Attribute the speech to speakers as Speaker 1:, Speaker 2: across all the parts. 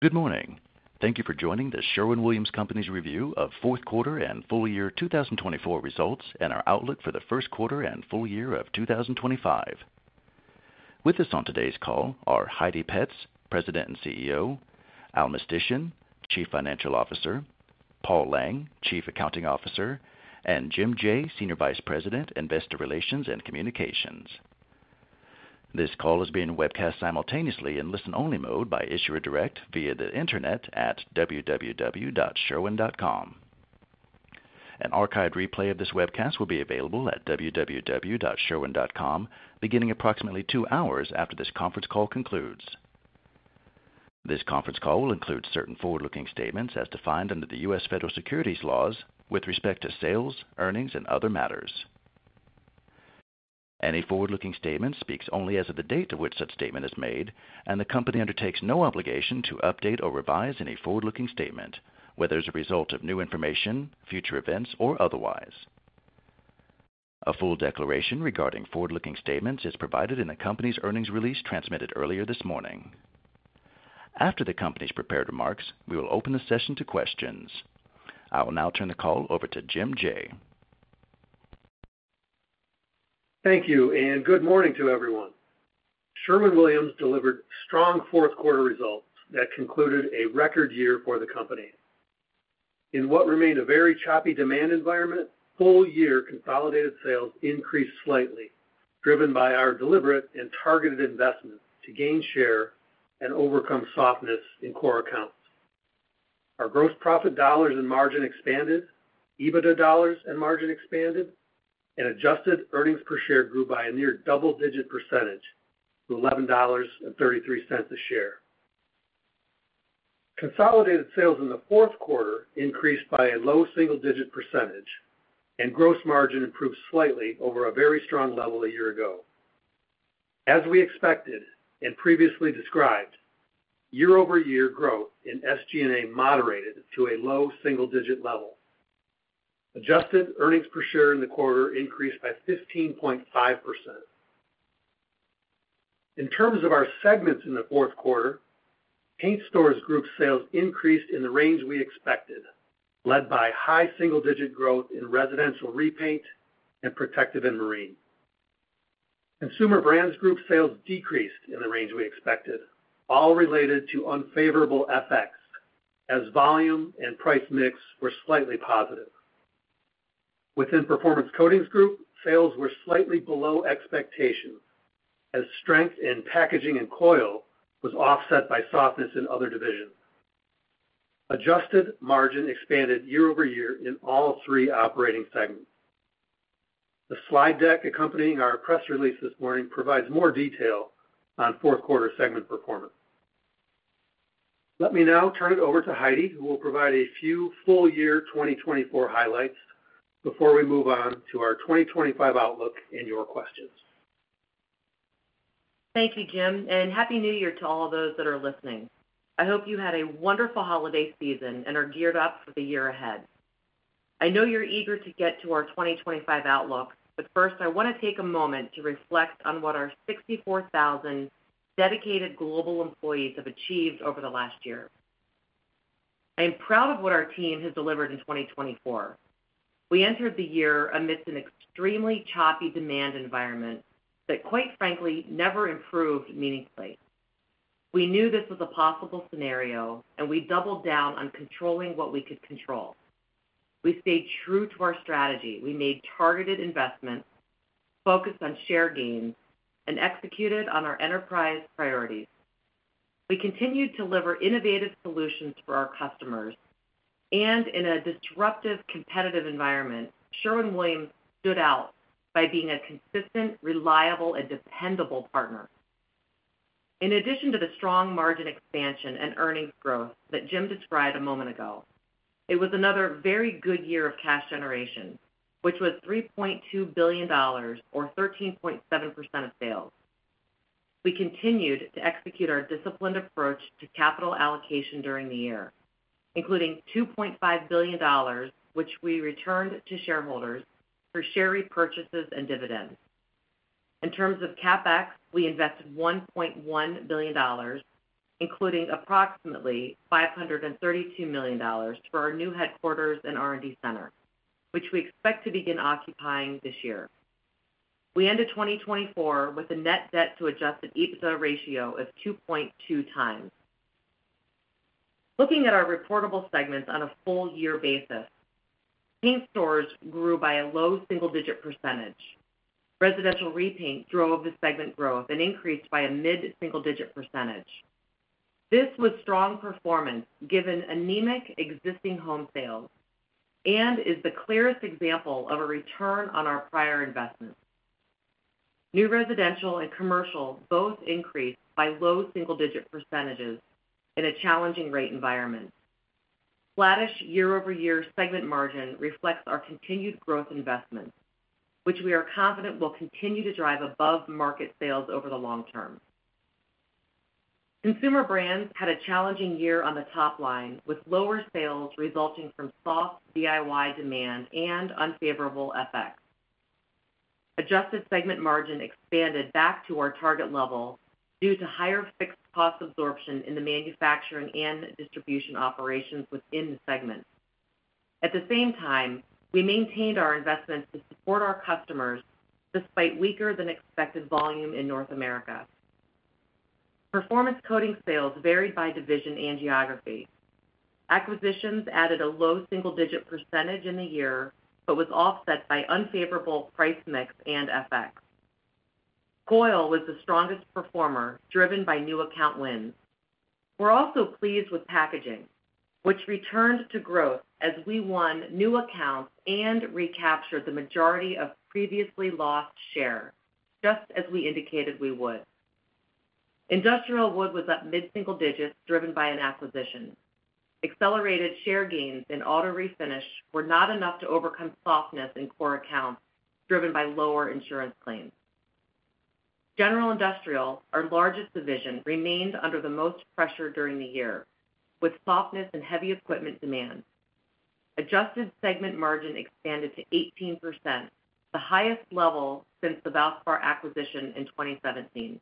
Speaker 1: Good morning. Thank you for joining the Sherwin-Williams Company's review of fourth quarter and full year 2024 results and our outlook for the first quarter and full year of 2025. With us on today's call are Heidi Petz, President and CEO, Al Mistysyn, Chief Financial Officer, Paul Lang, Chief Accounting Officer, and Jim Jaye, Senior Vice President, Investor Relations and Communications. This call is being webcast simultaneously in listen-only mode by Issuer Direct via the Internet at www.sherwin.com. An archived replay of this webcast will be available at www.sherwin.com beginning approximately two hours after this conference call concludes. This conference call will include certain forward-looking statements as defined under the U.S. federal securities laws with respect to sales, earnings, and other matters. Any forward-looking statement speaks only as of the date to which such statement is made, and the company undertakes no obligation to update or revise any forward-looking statement whether as a result of new information, future events, or otherwise. A full declaration regarding forward-looking statements is provided in the company's earnings release transmitted earlier this morning. After the company's prepared remarks, we will open the session to questions. I will now turn the call over to Jim Jaye.
Speaker 2: Thank you, and good morning to everyone. Sherwin-Williams delivered strong fourth quarter results that concluded a record year for the company. In what remained a very choppy demand environment, full year consolidated sales increased slightly, driven by our deliberate and targeted investment to gain share and overcome softness in core accounts. Our gross profit dollars and margin expanded, EBITDA dollars and margin expanded, and adjusted earnings per share grew by a near double-digit percentage to $11.33 a share. Consolidated sales in the fourth quarter increased by a low single-digit percentage, and gross margin improved slightly over a very strong level a year ago. As we expected and previously described, year-over-year growth in SG&A moderated to a low single-digit level. Adjusted earnings per share in the quarter increased by 15.5%. In terms of our segments in the fourth quarter, Paint Stores Group sales increased in the range we expected, led by high single-digit growth in residential repaint and Protective and Marine. Consumer Brands Group sales decreased in the range we expected, all related to unfavorable FX as volume and price mix were slightly positive. Within Performance Coatings Group, sales were slightly below expectations as strength in Packaging and Coil was offset by softness in other divisions. Adjusted margin expanded year-over-year in all three operating segments. The slide deck accompanying our press release this morning provides more detail on fourth quarter segment performance. Let me now turn it over to Heidi, who will provide a few full year 2024 highlights before we move on to our 2025 outlook and your questions.
Speaker 3: Thank you, Jim, and happy New Year to all those that are listening. I hope you had a wonderful holiday season and are geared up for the year ahead. I know you're eager to get to our 2025 outlook, but first, I want to take a moment to reflect on what our 64,000 dedicated global employees have achieved over the last year. I am proud of what our team has delivered in 2024. We entered the year amidst an extremely choppy demand environment that, quite frankly, never improved meaningfully. We knew this was a possible scenario, and we doubled down on controlling what we could control. We stayed true to our strategy. We made targeted investments, focused on share gains, and executed on our enterprise priorities. We continued to deliver innovative solutions for our customers, and in a disruptive competitive environment, Sherwin-Williams stood out by being a consistent, reliable, and dependable partner. In addition to the strong margin expansion and earnings growth that Jim described a moment ago, it was another very good year of cash generation, which was $3.2 billion, or 13.7% of sales. We continued to execute our disciplined approach to capital allocation during the year, including $2.5 billion, which we returned to shareholders through share repurchases and dividends. In terms of CapEx, we invested $1.1 billion, including approximately $532 million for our new headquarters and R&D center, which we expect to begin occupying this year. We ended 2024 with a net debt-to-Adjusted EBITDA ratio of 2.2 times. Looking at our reportable segments on a full year basis, Paint Stores grew by a low single-digit percentage. Residential repaint drove the segment growth and increased by a mid-single-digit percentage. This was strong performance given anemic existing home sales and is the clearest example of a return on our prior investments. New residential and commercial both increased by low single-digit percentages in a challenging rate environment. Flatish year-over-year segment margin reflects our continued growth investments, which we are confident will continue to drive above market sales over the long term. Consumer Brands had a challenging year on the top line, with lower sales resulting from soft DIY demand and unfavorable FX. Adjusted segment margin expanded back to our target level due to higher fixed cost absorption in the manufacturing and distribution operations within the segment. At the same time, we maintained our investments to support our customers despite weaker-than-expected volume in North America. Performance Coatings sales varied by division and geography. Acquisitions added a low single-digit percentage in the year but was offset by unfavorable price mix and FX. Coil was the strongest performer, driven by new account wins. We're also pleased with Packaging, which returned to growth as we won new accounts and recaptured the majority of previously lost share, just as we indicated we would. Industrial Wood was up mid-single digits, driven by an acquisition. Accelerated share gains and Auto Refinish were not enough to overcome softness in core accounts, driven by lower insurance claims. General Industrial, our largest division, remained under the most pressure during the year, with softness and heavy equipment demand. Adjusted segment margin expanded to 18%, the highest level since the Valspar acquisition in 2017.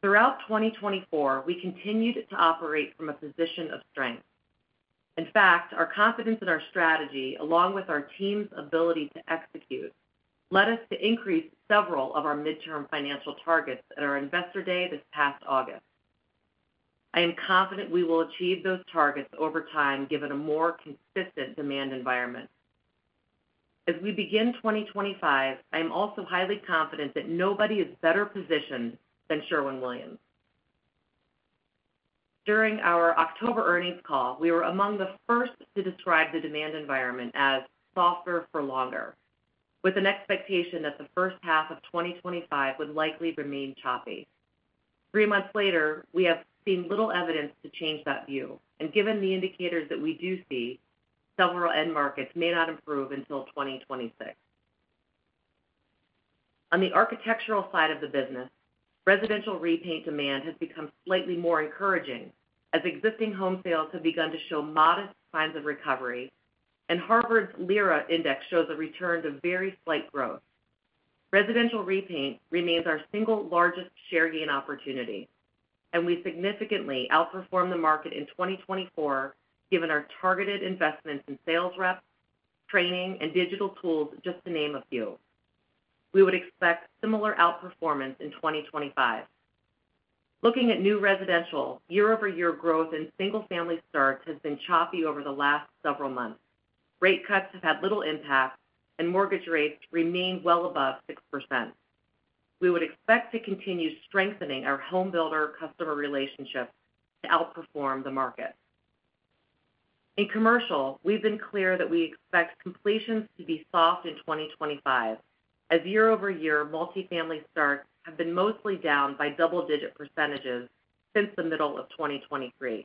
Speaker 3: Throughout 2024, we continued to operate from a position of strength. In fact, our confidence in our strategy, along with our team's ability to execute, led us to increase several of our midterm financial targets at our investor day this past August. I am confident we will achieve those targets over time given a more consistent demand environment. As we begin 2025, I am also highly confident that nobody is better positioned than Sherwin-Williams. During our October earnings call, we were among the first to describe the demand environment as softer for longer, with an expectation that the first half of 2025 would likely remain choppy. Three months later, we have seen little evidence to change that view, and given the indicators that we do see, several end markets may not improve until 2026. On the architectural side of the business, residential repaint demand has become slightly more encouraging as existing home sales have begun to show modest signs of recovery, and Harvard's LIRA index shows a return to very slight growth. Residential repaint remains our single largest share gain opportunity, and we significantly outperformed the market in 2024 given our targeted investments in sales reps, training, and digital tools, just to name a few. We would expect similar outperformance in 2025. Looking at new residential, year-over-year growth in single-family starts has been choppy over the last several months. Rate cuts have had little impact, and mortgage rates remain well above 6%. We would expect to continue strengthening our homebuilder customer relationships to outperform the market. In commercial, we've been clear that we expect completions to be soft in 2025, as year-over-year multi-family starts have been mostly down by double-digit percentages since the middle of 2023.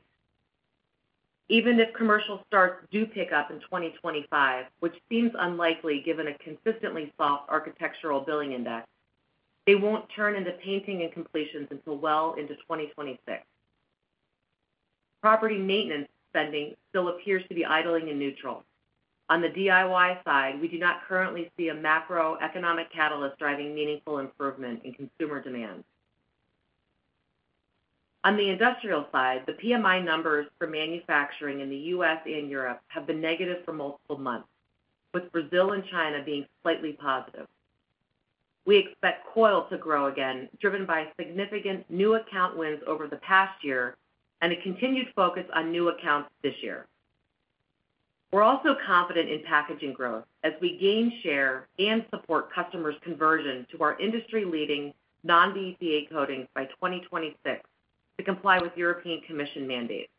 Speaker 3: Even if commercial starts do pick up in 2025, which seems unlikely given a consistently soft Architectural Billings Index, they won't turn into painting and completions until well into 2026. Property maintenance spending still appears to be idling in neutral. On the DIY side, we do not currently see a macroeconomic catalyst driving meaningful improvement in consumer demand. On the industrial side, the PMI numbers for manufacturing in the U.S. and Europe have been negative for multiple months, with Brazil and China being slightly positive. We expect Coil to grow again, driven by significant new account wins over the past year and a continued focus on new accounts this year. We're also confident in Packaging growth as we gain share and support customers' conversion to our industry-leading non-BPA coatings by 2026 to comply with European Commission mandates.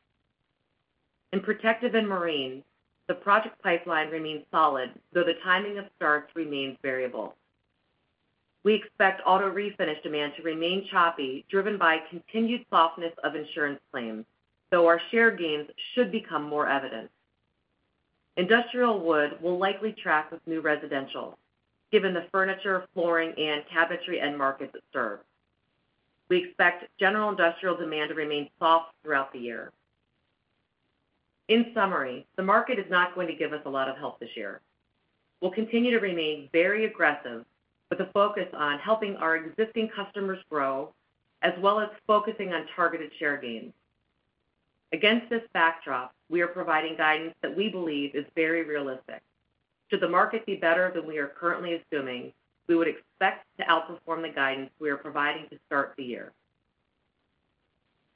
Speaker 3: In Protective and Marine, the project pipeline remains solid, though the timing of starts remains variable. We expect Auto Refinish demand to remain choppy, driven by continued softness of insurance claims, though our share gains should become more evident. Industrial Wood will likely track with new residential, given the furniture, flooring, and cabinetry end markets it serves. We expect General Industrial demand to remain soft throughout the year. In summary, the market is not going to give us a lot of help this year. We'll continue to remain very aggressive with a focus on helping our existing customers grow, as well as focusing on targeted share gains. Against this backdrop, we are providing guidance that we believe is very realistic. Should the market be better than we are currently assuming, we would expect to outperform the guidance we are providing to start the year.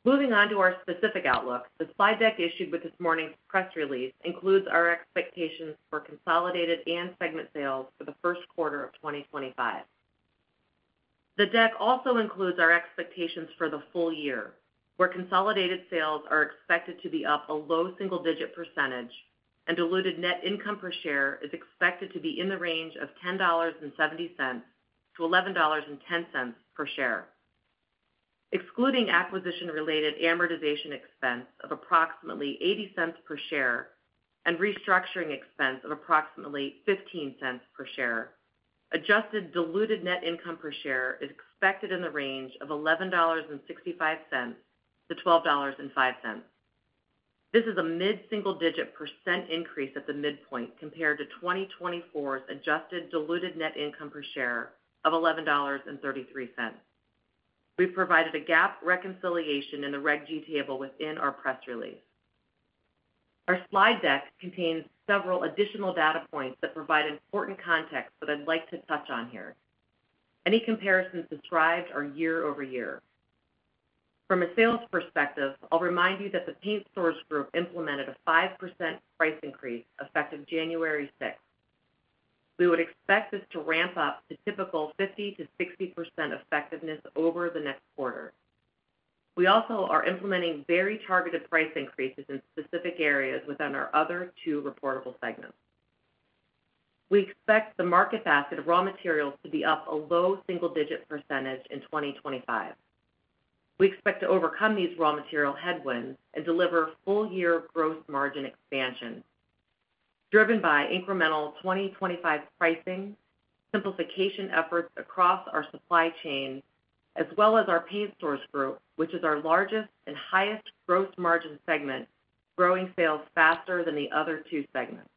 Speaker 3: Moving on to our specific outlook, the slide deck issued with this morning's press release includes our expectations for consolidated and segment sales for the first quarter of 2025. The deck also includes our expectations for the full year, where consolidated sales are expected to be up a low single-digit percentage, and diluted net income per share is expected to be in the range of $10.70 to $11.10 per share. Excluding acquisition-related amortization expense of approximately $0.80 per share and restructuring expense of approximately $0.15 per share, adjusted diluted net income per share is expected in the range of $11.65 to $12.05. This is a mid-single-digit percent increase at the midpoint compared to 2024's adjusted diluted net income per share of $11.33. We've provided a GAAP reconciliation in the Reg G table within our press release. Our slide deck contains several additional data points that provide important context that I'd like to touch on here. Any comparisons described are year-over-year. From a sales perspective, I'll remind you that the Paint Stores Group implemented a 5% price increase effective January 6. We would expect this to ramp up to typical 50%-60% effectiveness over the next quarter. We also are implementing very targeted price increases in specific areas within our other two reportable segments. We expect the market basket of raw materials to be up a low single-digit percentage in 2025. We expect to overcome these raw material headwinds and deliver full year gross margin expansion, driven by incremental 2025 pricing, simplification efforts across our supply chain, as well as our Paint Stores Group, which is our largest and highest gross margin segment, growing sales faster than the other two segments.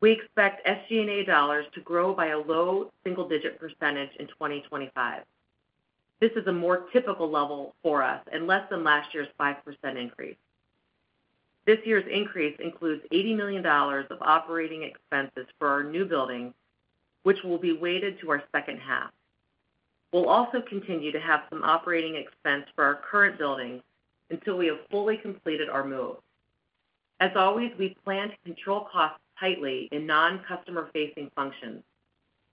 Speaker 3: We expect SG&A dollars to grow by a low single-digit percentage in 2025. This is a more typical level for us and less than last year's 5% increase. This year's increase includes $80 million of operating expenses for our new buildings, which will be weighted to our second half. We'll also continue to have some operating expense for our current buildings until we have fully completed our move. As always, we plan to control costs tightly in non-customer-facing functions,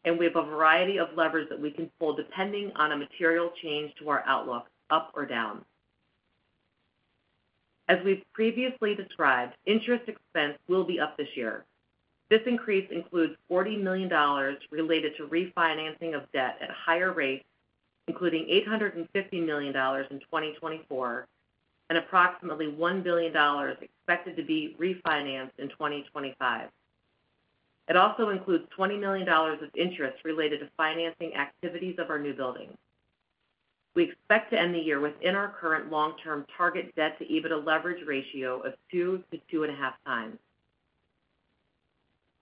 Speaker 3: and we have a variety of levers that we can pull depending on a material change to our outlook, up or down. As we've previously described, interest expense will be up this year. This increase includes $40 million related to refinancing of debt at higher rates, including $850 million in 2024 and approximately $1 billion expected to be refinanced in 2025. It also includes $20 million of interest related to financing activities of our new buildings. We expect to end the year within our current long-term target debt-to-EBITDA leverage ratio of 2 to 2.5 times.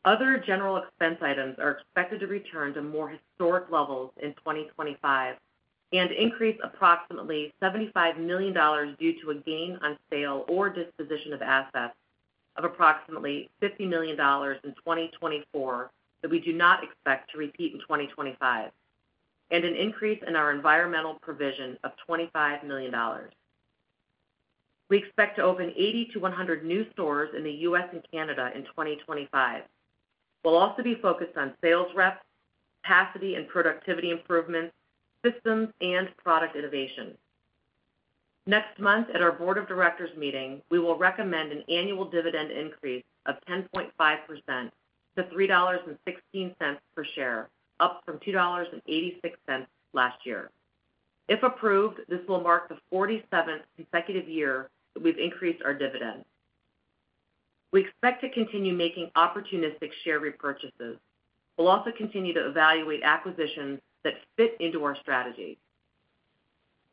Speaker 3: Other general expense items are expected to return to more historic levels in 2025 and increase approximately $75 million due to a gain on sale or disposition of assets of approximately $50 million in 2024 that we do not expect to repeat in 2025, and an increase in our environmental provision of $25 million. We expect to open 80 to 100 new stores in the U.S. and Canada in 2025. We'll also be focused on sales reps, capacity and productivity improvements, systems, and product innovation. Next month, at our board of directors meeting, we will recommend an annual dividend increase of 10.5% to $3.16 per share, up from $2.86 last year. If approved, this will mark the 47th consecutive year that we've increased our dividends. We expect to continue making opportunistic share repurchases. We'll also continue to evaluate acquisitions that fit into our strategy.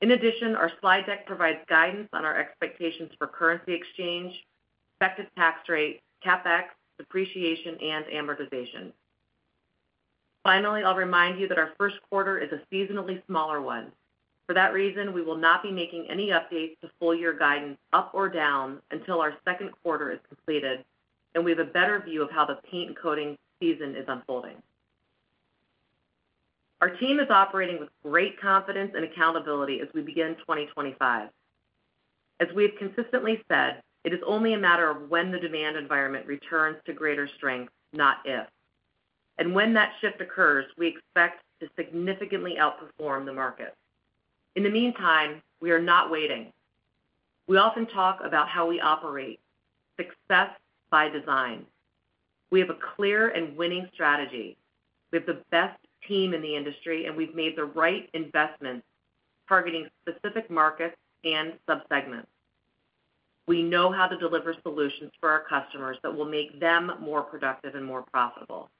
Speaker 3: In addition, our slide deck provides guidance on our expectations for currency exchange, expected tax rates, CapEx, depreciation, and amortization. Finally, I'll remind you that our first quarter is a seasonally smaller one. For that reason, we will not be making any updates to full year guidance up or down until our second quarter is completed, and we have a better view of how the paint and coating season is unfolding. Our team is operating with great confidence and accountability as we begin 2025. As we have consistently said, it is only a matter of when the demand environment returns to greater strength, not if. And when that shift occurs, we expect to significantly outperform the market. In the meantime, we are not waiting. We often talk about how we operate: success by design. We have a clear and winning strategy. We have the best team in the industry, and we've made the right investments targeting specific markets and subsegments. We know how to deliver solutions for our customers that will make them more productive and more profitable.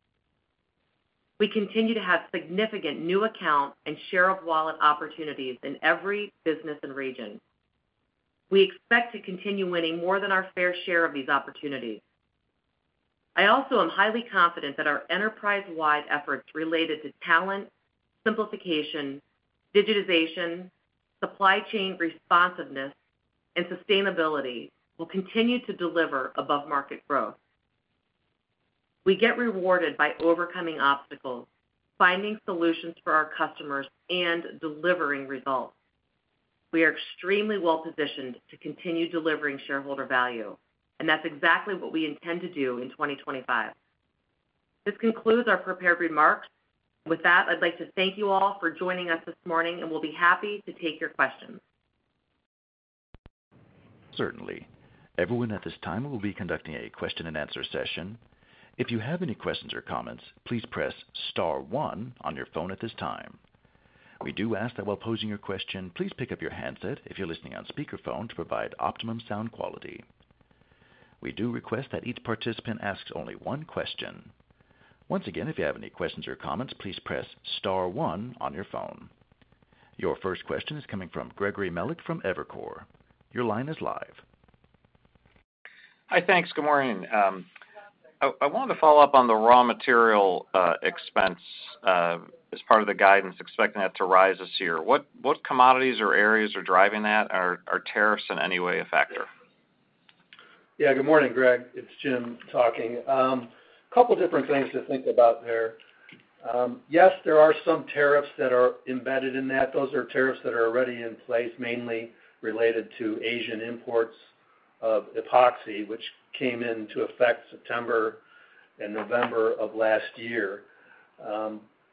Speaker 3: We continue to have significant new account and share of wallet opportunities in every business and region. We expect to continue winning more than our fair share of these opportunities. I also am highly confident that our enterprise-wide efforts related to talent, simplification, digitization, supply chain responsiveness, and sustainability will continue to deliver above-market growth. We get rewarded by overcoming obstacles, finding solutions for our customers, and delivering results. We are extremely well-positioned to continue delivering shareholder value, and that's exactly what we intend to do in 2025. This concludes our prepared remarks. With that, I'd like to thank you all for joining us this morning, and we'll be happy to take your questions.
Speaker 1: Certainly. Everyone at this time will be conducting a question-and-answer session. If you have any questions or comments, please press star one on your phone at this time. We do ask that while posing your question, please pick up your handset if you're listening on speakerphone to provide optimum sound quality. We do request that each participant asks only one question. Once again, if you have any questions or comments, please press star one on your phone. Your first question is coming from Greg Melich from Evercore. Your line is live. Hi, thanks. Good morning. I wanted to follow up on the raw material expense as part of the guidance, expecting that to rise this year. What commodities or areas are driving that? Are tariffs in any way a factor?
Speaker 2: Yeah, good morning, Greg. It's Jim talking. A couple of different things to think about there. Yes, there are some tariffs that are embedded in that. Those are tariffs that are already in place, mainly related to Asian imports of epoxy, which came into effect September and November of last year.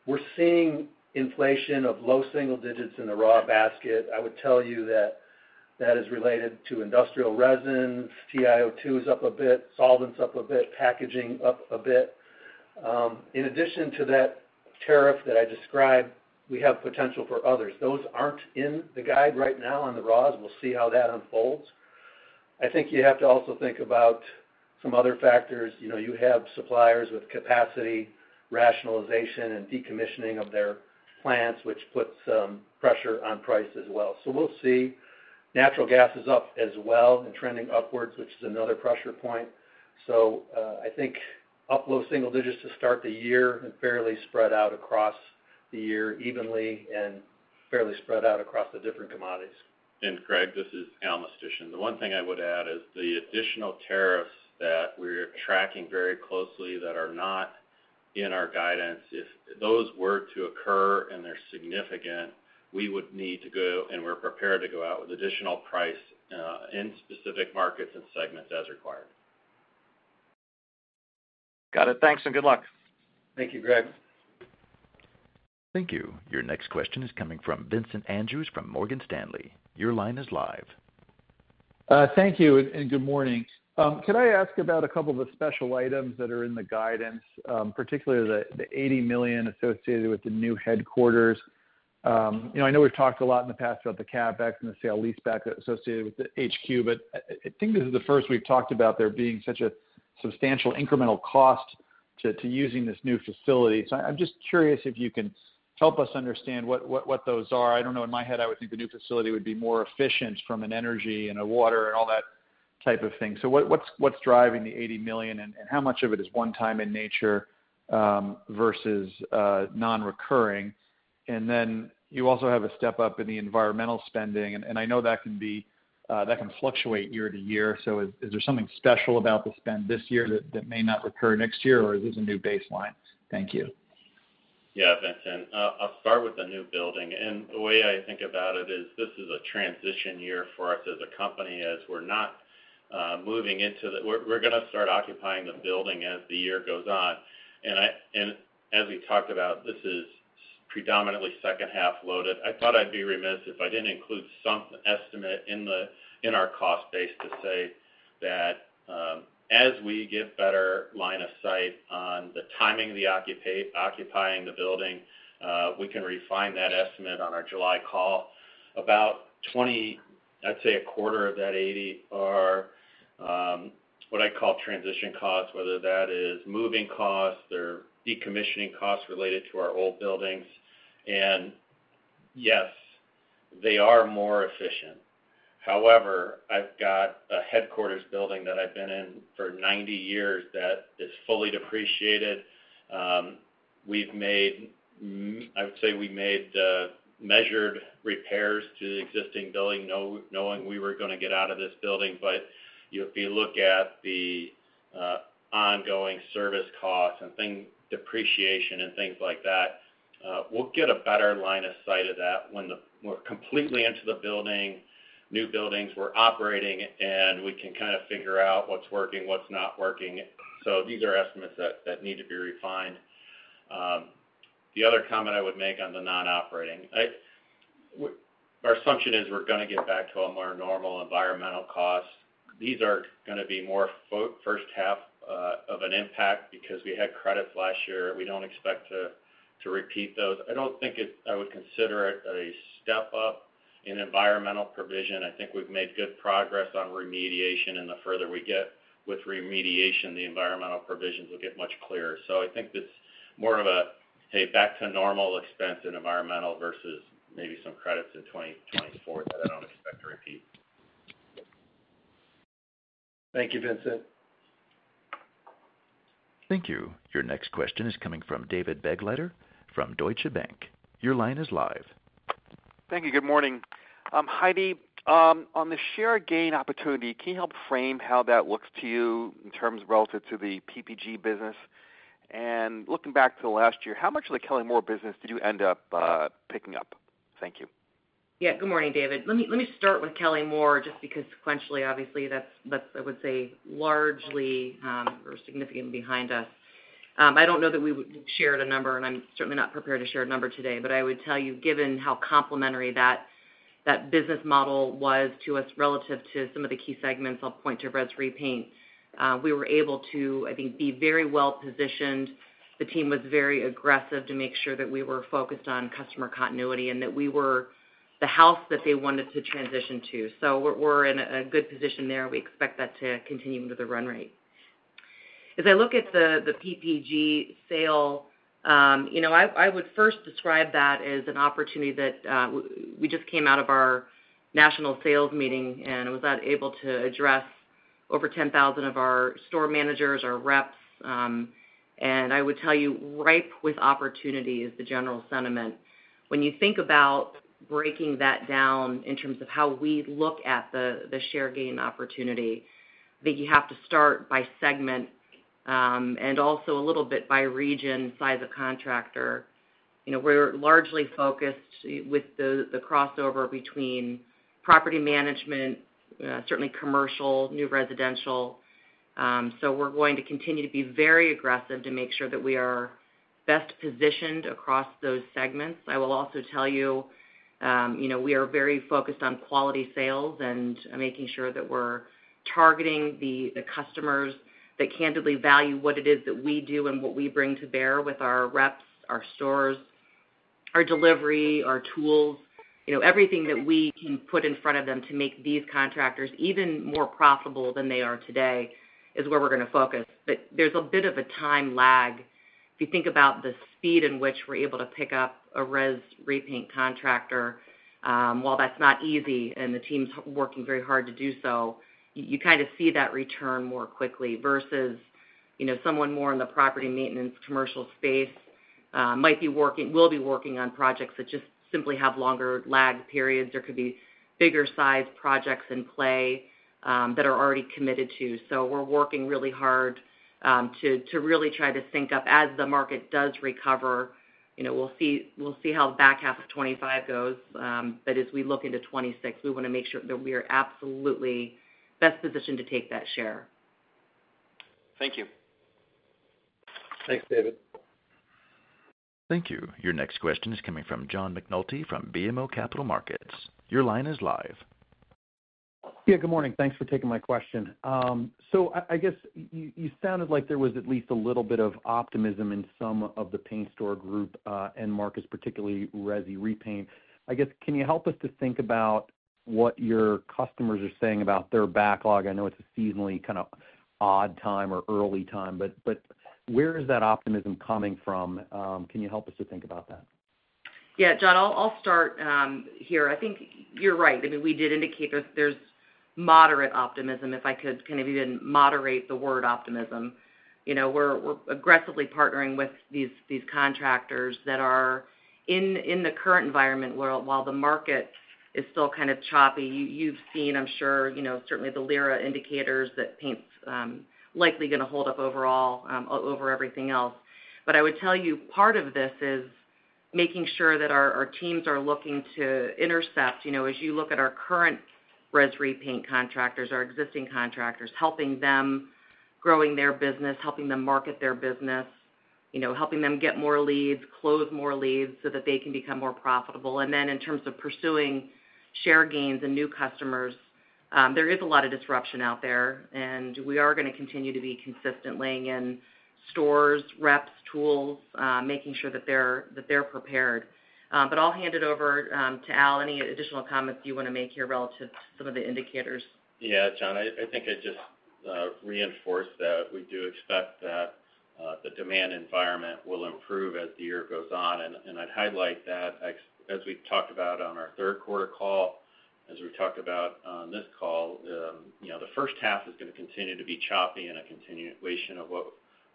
Speaker 2: We're seeing inflation of low single digits in the raw basket. I would tell you that that is related to industrial resins. TiO2 is up a bit, solvents up a bit, Packaging up a bit. In addition to that tariff that I described, we have potential for others. Those aren't in the guide right now on the raws. We'll see how that unfolds. I think you have to also think about some other factors. You have suppliers with capacity rationalization and decommissioning of their plants, which puts pressure on price as well. So we'll see. Natural gas is up as well and trending upwards, which is another pressure point. So I think up low single digits to start the year and fairly spread out across the year evenly and fairly spread out across the different commodities.
Speaker 4: And Greg, this is Al Mistysyn. The one thing I would add is the additional tariffs that we're tracking very closely that are not in our guidance. If those were to occur and they're significant, we would need to go, and we're prepared to go out with additional pricing in specific markets and segments as required.
Speaker 5: Got it. Thanks and good luck.
Speaker 2: Thank you, Greg.
Speaker 1: Thank you. Your next question is coming from Vincent Andrews from Morgan Stanley. Your line is live.
Speaker 6: Thank you and good morning. Could I ask about a couple of the special items that are in the guidance, particularly the $80 million associated with the new headquarters? I know we've talked a lot in the past about the CapEx and the sale lease back associated with the HQ, but I think this is the first we've talked about there being such a substantial incremental cost to using this new facility. So I'm just curious if you can help us understand what those are. I don't know. In my head, I would think the new facility would be more efficient from an energy and a water and all that type of thing. So what's driving the $80 million and how much of it is one-time in nature versus non-recurring? And then you also have a step up in the environmental spending, and I know that can fluctuate year to year. So is there something special about the spend this year that may not recur next year, or is this a new baseline? Thank you.
Speaker 4: Yeah, Vincent. I'll start with the new building. And the way I think about it is this is a transition year for us as a company as we're not moving into the—we're going to start occupying the building as the year goes on. And as we talked about, this is predominantly second half loaded. I thought I'd be remiss if I didn't include some estimate in our cost base to say that as we get better line of sight on the timing of the occupying the building, we can refine that estimate on our July call. About 20, I'd say a quarter of that 80 are what I call transition costs, whether that is moving costs or decommissioning costs related to our old buildings. Yes, they are more efficient. However, I've got a headquarters building that I've been in for 90 years that is fully depreciated. We've made, I would say, measured repairs to the existing building, knowing we were going to get out of this building. But if you look at the ongoing service costs and depreciation and things like that, we'll get a better line of sight of that when we're completely into the building, new buildings, we're operating, and we can kind of figure out what's working, what's not working. So these are estimates that need to be refined. The other comment I would make on the non-operating, our assumption is we're going to get back to a more normal environmental cost. These are going to be more first half of an impact because we had credits last year. We don't expect to repeat those. I don't think I would consider it a step up in environmental provision. I think we've made good progress on remediation, and the further we get with remediation, the environmental provisions will get much clearer. So I think this is more of a, hey, back to normal expense and environmental versus maybe some credits in 2024 that I don't expect to repeat. Thank you, Vincent.
Speaker 1: Thank you. Your next question is coming from David Begleiter from Deutsche Bank. Your line is live.
Speaker 7: Thank you. Good morning. Heidi, on the share gain opportunity, can you help frame how that looks to you in terms relative to the PPG business? And looking back to the last year, how much of the Kelly-Moore business did you end up picking up? Thank you.
Speaker 3: Yeah. Good morning, David. Let me start with Kelly-Moore just because sequentially, obviously, that's, I would say, largely or significantly behind us. I don't know that we would share the number, and I'm certainly not prepared to share a number today, but I would tell you, given how complementary that business model was to us relative to some of the key segments, I'll point to Res Repaint. We were able to, I think, be very well positioned. The team was very aggressive to make sure that we were focused on customer continuity and that we were the house that they wanted to transition to. So we're in a good position there. We expect that to continue into the run rate. As I look at the PPG sale, I would first describe that as an opportunity that we just came out of our national sales meeting, and I was able to address over 10,000 of our store managers, our reps, and I would tell you, ripe with opportunity is the general sentiment. When you think about breaking that down in terms of how we look at the share gain opportunity, I think you have to start by segment and also a little bit by region, size of contractor. We're largely focused with the crossover between property management, certainly commercial, new residential. So we're going to continue to be very aggressive to make sure that we are best positioned across those segments. I will also tell you we are very focused on quality sales and making sure that we're targeting the customers that candidly value what it is that we do and what we bring to bear with our reps, our stores, our delivery, our tools, everything that we can put in front of them to make these contractors even more profitable than they are today is where we're going to focus. But there's a bit of a time lag. If you think about the speed in which we're able to pick up a Res Repaint contractor, while that's not easy and the team's working very hard to do so, you kind of see that return more quickly versus someone more in the property maintenance commercial space might be working, will be working on projects that just simply have longer lag periods or could be bigger size projects in play that are already committed to. So we're working really hard to really try to sync up as the market does recover. We'll see how the back half of 2025 goes. But as we look into 2026, we want to make sure that we are absolutely best positioned to take that share.
Speaker 7: Thank you.
Speaker 2: Thanks, David.
Speaker 1: Thank you. Your next question is coming from John McNulty from BMO Capital Markets. Your line is live.
Speaker 8: Yeah, good morning. Thanks for taking my question. So I guess you sounded like there was at least a little bit of optimism in some of the Paint Stores Group and markets, particularly Res Repaint. I guess, can you help us to think about what your customers are saying about their backlog? I know it's a seasonally kind of odd time or early time, but where is that optimism coming from? Can you help us to think about that?
Speaker 3: Yeah, John, I'll start here. I think you're right. I mean, we did indicate that there's moderate optimism, if I could kind of even moderate the word optimism. We're aggressively partnering with these contractors that are in the current environment while the market is still kind of choppy. You've seen, I'm sure, certainly the LIRA indicators that paints likely going to hold up overall over everything else. But I would tell you part of this is making sure that our teams are looking to intercept. As you look at our current Res Repaint contractors, our existing contractors, helping them, growing their business, helping them market their business, helping them get more leads, close more leads so that they can become more profitable. And then in terms of pursuing share gains and new customers, there is a lot of disruption out there, and we are going to continue to be consistently in stores, reps, tools, making sure that they're prepared. But I'll hand it over to Al. Any additional comments you want to make here relative to some of the indicators?
Speaker 4: Yeah, John, I think I just reinforced that we do expect that the demand environment will improve as the year goes on. I'd highlight that as we talked about on our third quarter call, as we talked about on this call, the first half is going to continue to be choppy in a continuation of what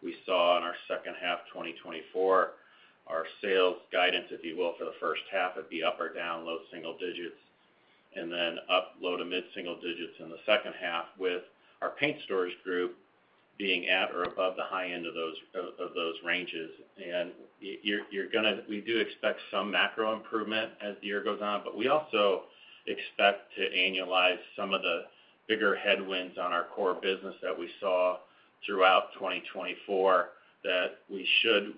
Speaker 4: we saw in our second half, 2024. Our sales guidance, if you will, for the first half would be up or down, low single digits, and then up, low to mid single digits in the second half with our Paint Stores Group being at or above the high end of those ranges. And we do expect some macro improvement as the year goes on, but we also expect to annualize some of the bigger headwinds on our core business that we saw throughout 2024 that we should,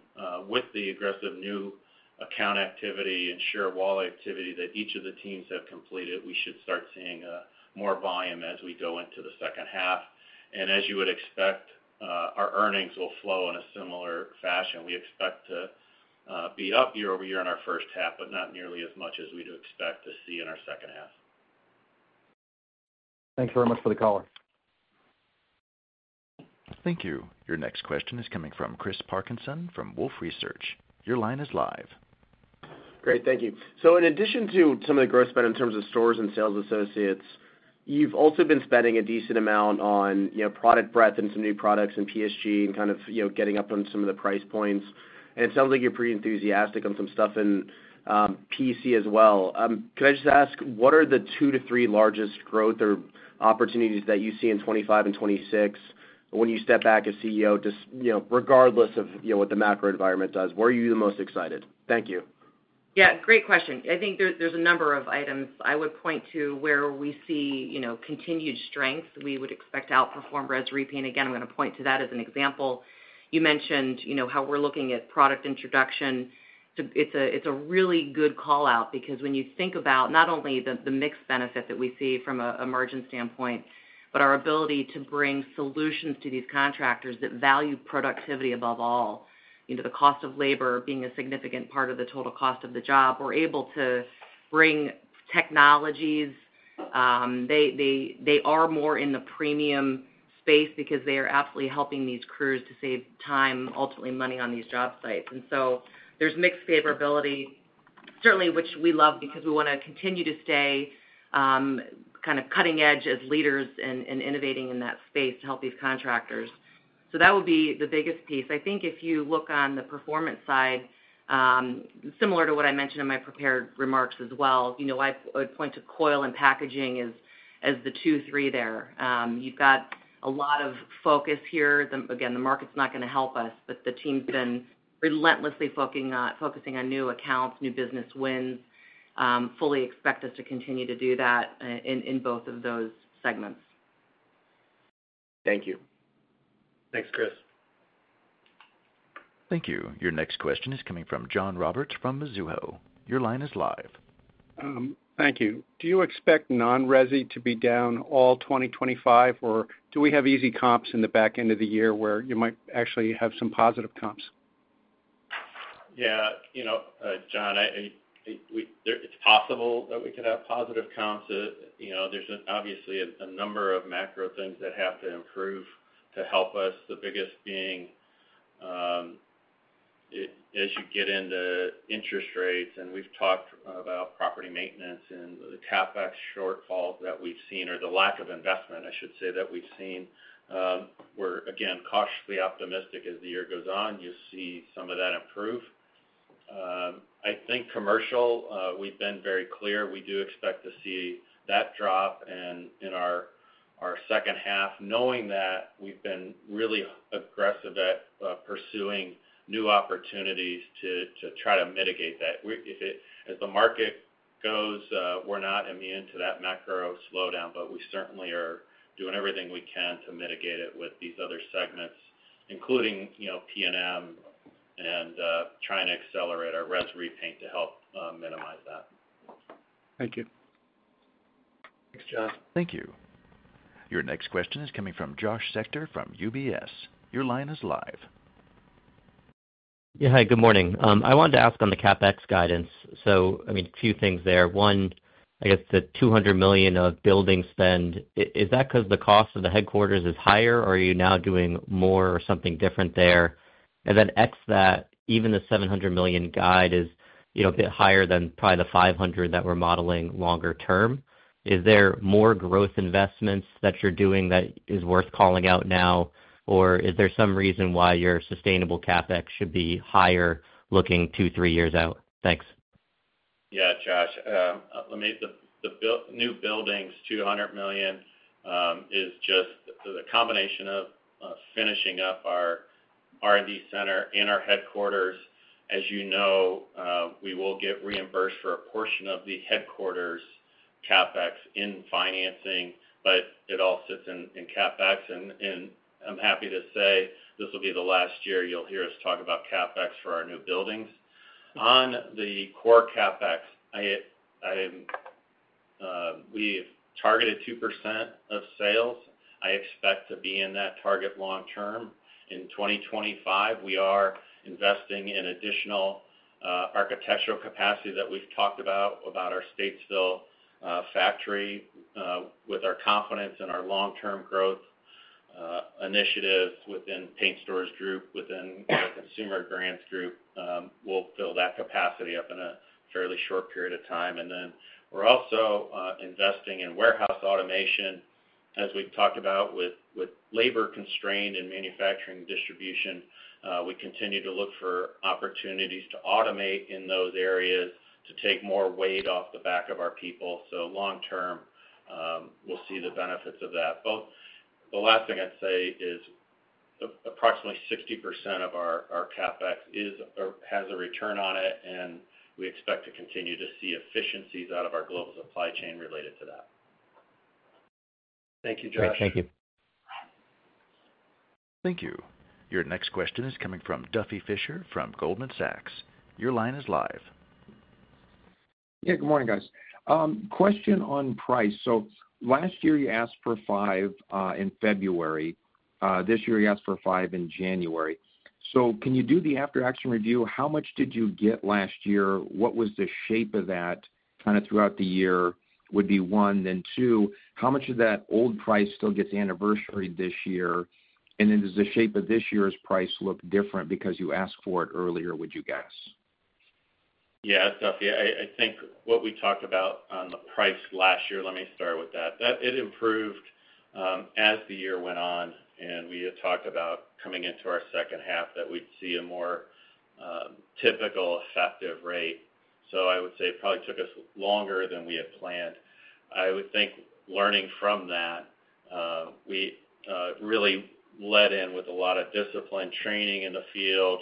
Speaker 4: with the aggressive new account activity and share gain activity that each of the teams have completed, we should start seeing more volume as we go into the second half. And as you would expect, our earnings will flow in a similar fashion. We expect to be up year-over-year in our first half, but not nearly as much as we do expect to see in our second half.
Speaker 8: Thank you very much for the call.
Speaker 1: Thank you. Your next question is coming from Chris Parkinson from Wolfe Research. Your line is live.
Speaker 9: Great. Thank you. In addition to some of the growth spend in terms of stores and sales associates, you've also been spending a decent amount on product breadth and some new products and PSG and kind of getting up on some of the price points. And it sounds like you're pretty enthusiastic on some stuff in PC as well. Could I just ask, what are the two to three largest growth or opportunities that you see in 2025 and 2026 when you step back as CEO, regardless of what the macro environment does? Where are you the most excited? Thank you.
Speaker 3: Yeah, great question. I think there's a number of items I would point to where we see continued strength. We would expect to outperform Res Repaint. Again, I'm going to point to that as an example. You mentioned how we're looking at product introduction. It's a really good call out because when you think about not only the mixed benefit that we see from a margin standpoint, but our ability to bring solutions to these contractors that value productivity above all, the cost of labor being a significant part of the total cost of the job, we're able to bring technologies. They are more in the premium space because they are absolutely helping these crews to save time, ultimately money on these job sites. And so there's mixed favorability, certainly, which we love because we want to continue to stay kind of cutting edge as leaders and innovating in that space to help these contractors. So that would be the biggest piece. I think if you look on the performance side, similar to what I mentioned in my prepared remarks as well, I would point to Coil and Packaging as the two, three there. You've got a lot of focus here. Again, the market's not going to help us, but the team's been relentlessly focusing on new accounts, new business wins. Fully expect us to continue to do that in both of those segments.
Speaker 9: Thank you.
Speaker 2: Thanks, Chris.
Speaker 1: Thank you. Your next question is coming from John Roberts from Mizuho. Your line is live.
Speaker 10: Thank you. Do you expect non-Res to be down all 2025, or do we have easy comps in the back end of the year where you might actually have some positive comps?
Speaker 4: Yeah, John, it's possible that we could have positive comps. There's obviously a number of macro things that have to improve to help us, the biggest being as you get into interest rates, and we've talked about property maintenance and the CapEx shortfalls that we've seen or the lack of investment, I should say, that we've seen. We're again cautiously optimistic as the year goes on. You see some of that improve. I think commercial, we've been very clear. We do expect to see that drop in our second half, knowing that we've been really aggressive at pursuing new opportunities to try to mitigate that. As the market goes, we're not immune to that macro slowdown, but we certainly are doing everything we can to mitigate it with these other segments, including P&M, and trying to accelerate our Res Repaint to help minimize that.
Speaker 10: Thank you.
Speaker 2: Thanks, John.
Speaker 1: Thank you. Your next question is coming from Josh Spector from UBS. Your line is live.
Speaker 11: Yeah, hi, good morning. I wanted to ask on the CapEx guidance. So, I mean, a few things there. One, I guess the $200 million of building spend, is that because the cost of the headquarters is higher, or are you now doing more or something different there? And then next, that even the $700 million guide is a bit higher than probably the $500 million that we're modeling longer term. Is there more growth investments that you're doing that is worth calling out now, or is there some reason why your sustainable CapEx should be higher looking two, three years out? Thanks.
Speaker 4: Yeah, Josh. The new buildings, $200 million, is just the combination of finishing up our R&D center and our headquarters. As you know, we will get reimbursed for a portion of the headquarters CapEx in financing, but it all sits in CapEx. And I'm happy to say this will be the last year you'll hear us talk about CapEx for our new buildings. On the core CapEx, we've targeted 2% of sales. I expect to be in that target long term. In 2025, we are investing in additional architectural capacity that we've talked about, about our Statesville factory with our confidence in our long-term growth initiatives within Paint Stores Group, within our Consumer Brands Group. We'll fill that capacity up in a fairly short period of time. And then we're also investing in warehouse automation. As we've talked about with labor constraint and manufacturing distribution, we continue to look for opportunities to automate in those areas to take more weight off the back of our people. So long term, we'll see the benefits of that. But the last thing I'd say is approximately 60% of our CapEx has a return on it, and we expect to continue to see efficiencies out of our global supply chain related to that.
Speaker 2: Thank you, Josh.
Speaker 11: Thank you.
Speaker 1: Thank you. Your next question is coming from Duffy Fischer from Goldman Sachs. Your line is live.
Speaker 12: Yeah, good morning, guys. Question on price. So last year, you asked for five in February. This year, you asked for five in January. So can you do the after-action review? How much did you get last year? What was the shape of that kind of throughout the year? Would be one. Then two, how much of that old price still gets anniversary this year? And then does the shape of this year's price look different because you asked for it earlier, would you guess?
Speaker 4: Yeah, Duffy, I think what we talked about on the price last year, let me start with that. It improved as the year went on, and we had talked about coming into our second half that we'd see a more typical effective rate. So, I would say it probably took us longer than we had planned. I would think, learning from that, we really led in with a lot of discipline, training in the field,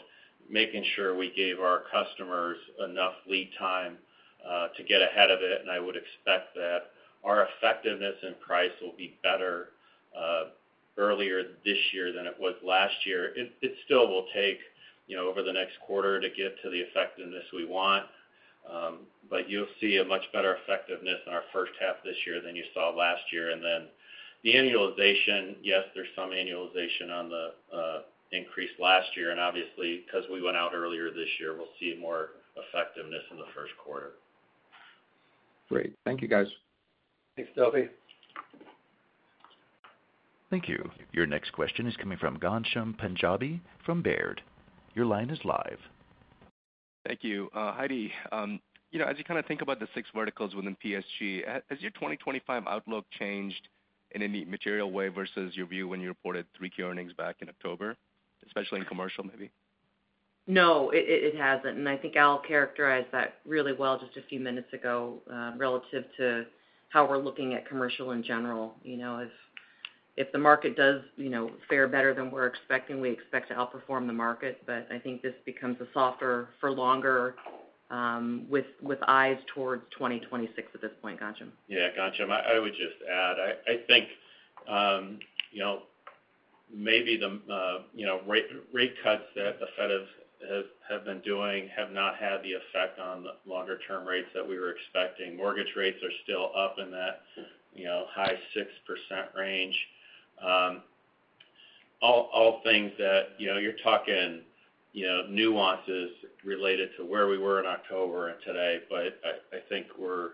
Speaker 4: making sure we gave our customers enough lead time to get ahead of it. And I would expect that our effectiveness and price will be better earlier this year than it was last year. It still will take over the next quarter to get to the effectiveness we want, but you'll see a much better effectiveness in our first half this year than you saw last year. And then the annualization, yes, there's some annualization on the increase last year. And obviously, because we went out earlier this year, we'll see more effectiveness in the first quarter.
Speaker 13: Great. Thank you, guys.
Speaker 2: Thanks, Duffy.
Speaker 1: Thank you. Your next question is coming from Ghansham Panjabi from Baird. Your line is live.
Speaker 14: Thank you. Heidi, as you kind of think about the six verticals within PSG, has your 2025 outlook changed in any material way versus your view when you reported Q3 earnings back in October, especially in commercial, maybe?
Speaker 3: No, it hasn't. And I think Al characterized that really well just a few minutes ago relative to how we're looking at commercial in general. If the market does fare better than we're expecting, we expect to outperform the market. But I think this becomes a softer for longer with eyes towards 2026 at this point, Ghansham.
Speaker 4: Yeah, Ghansham. I would just add, I think maybe the rate cuts that the Fed have been doing have not had the effect on the longer-term rates that we were expecting. Mortgage rates are still up in that high 6% range. All things that you're talking nuances related to where we were in October and today, but I think we're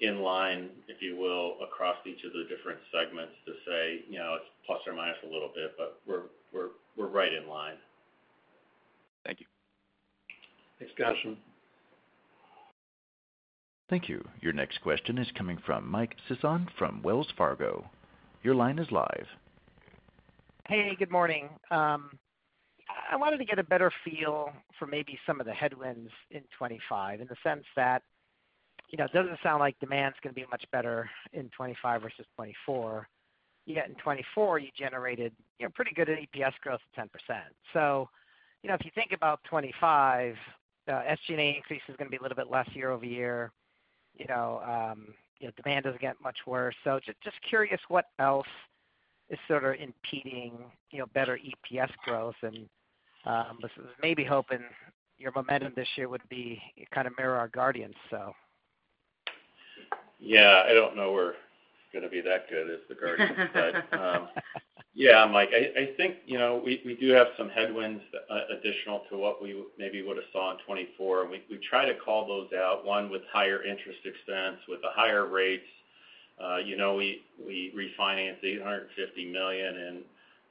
Speaker 4: in line, if you will, across each of the different segments to say it's plus or minus a little bit, but we're right in line.
Speaker 14: Thank you.
Speaker 2: Thanks, Ghansham.
Speaker 1: Thank you. Your next question is coming from Mike Sison from Wells Fargo. Your line is live.
Speaker 15: Hey, good morning. I wanted to get a better feel for maybe some of the headwinds in 2025 in the sense that it doesn't sound like demand's going to be much better in 2025 versus 2024. Yet in 2024, you generated pretty good EPS growth of 10%. So if you think about 2025, SG&A increase is going to be a little bit less year-over-year. Demand doesn't get much worse. So just curious what else is sort of impeding better EPS growth. And maybe hoping your momentum this year would kind of mirror our Guardians, so.
Speaker 4: Yeah, I don't know we're going to be that good as the Guardians, but yeah, Mike, I think we do have some headwinds additional to what we maybe would have saw in 2024. And we try to call those out, one with higher interest expense with the higher rates. We refinanced $850 million in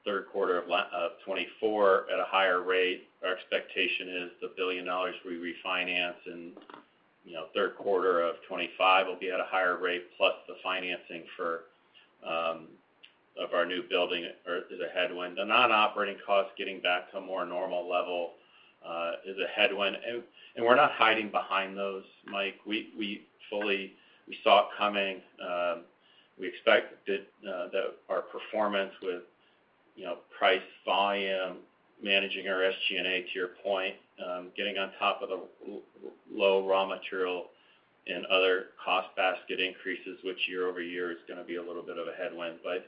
Speaker 4: third quarter of 2024 at a higher rate. Our expectation is the $1 billion we refinance in third quarter of 2025 will be at a higher rate plus the financing of our new building is a headwind. The non-operating costs getting back to a more normal level is a headwind. And we're not hiding behind those, Mike. We saw it coming. We expected that our performance with price volume, managing our SG&A, to your point, getting on top of the low raw material and other cost basket increases, which year-over-year is going to be a little bit of a headwind. But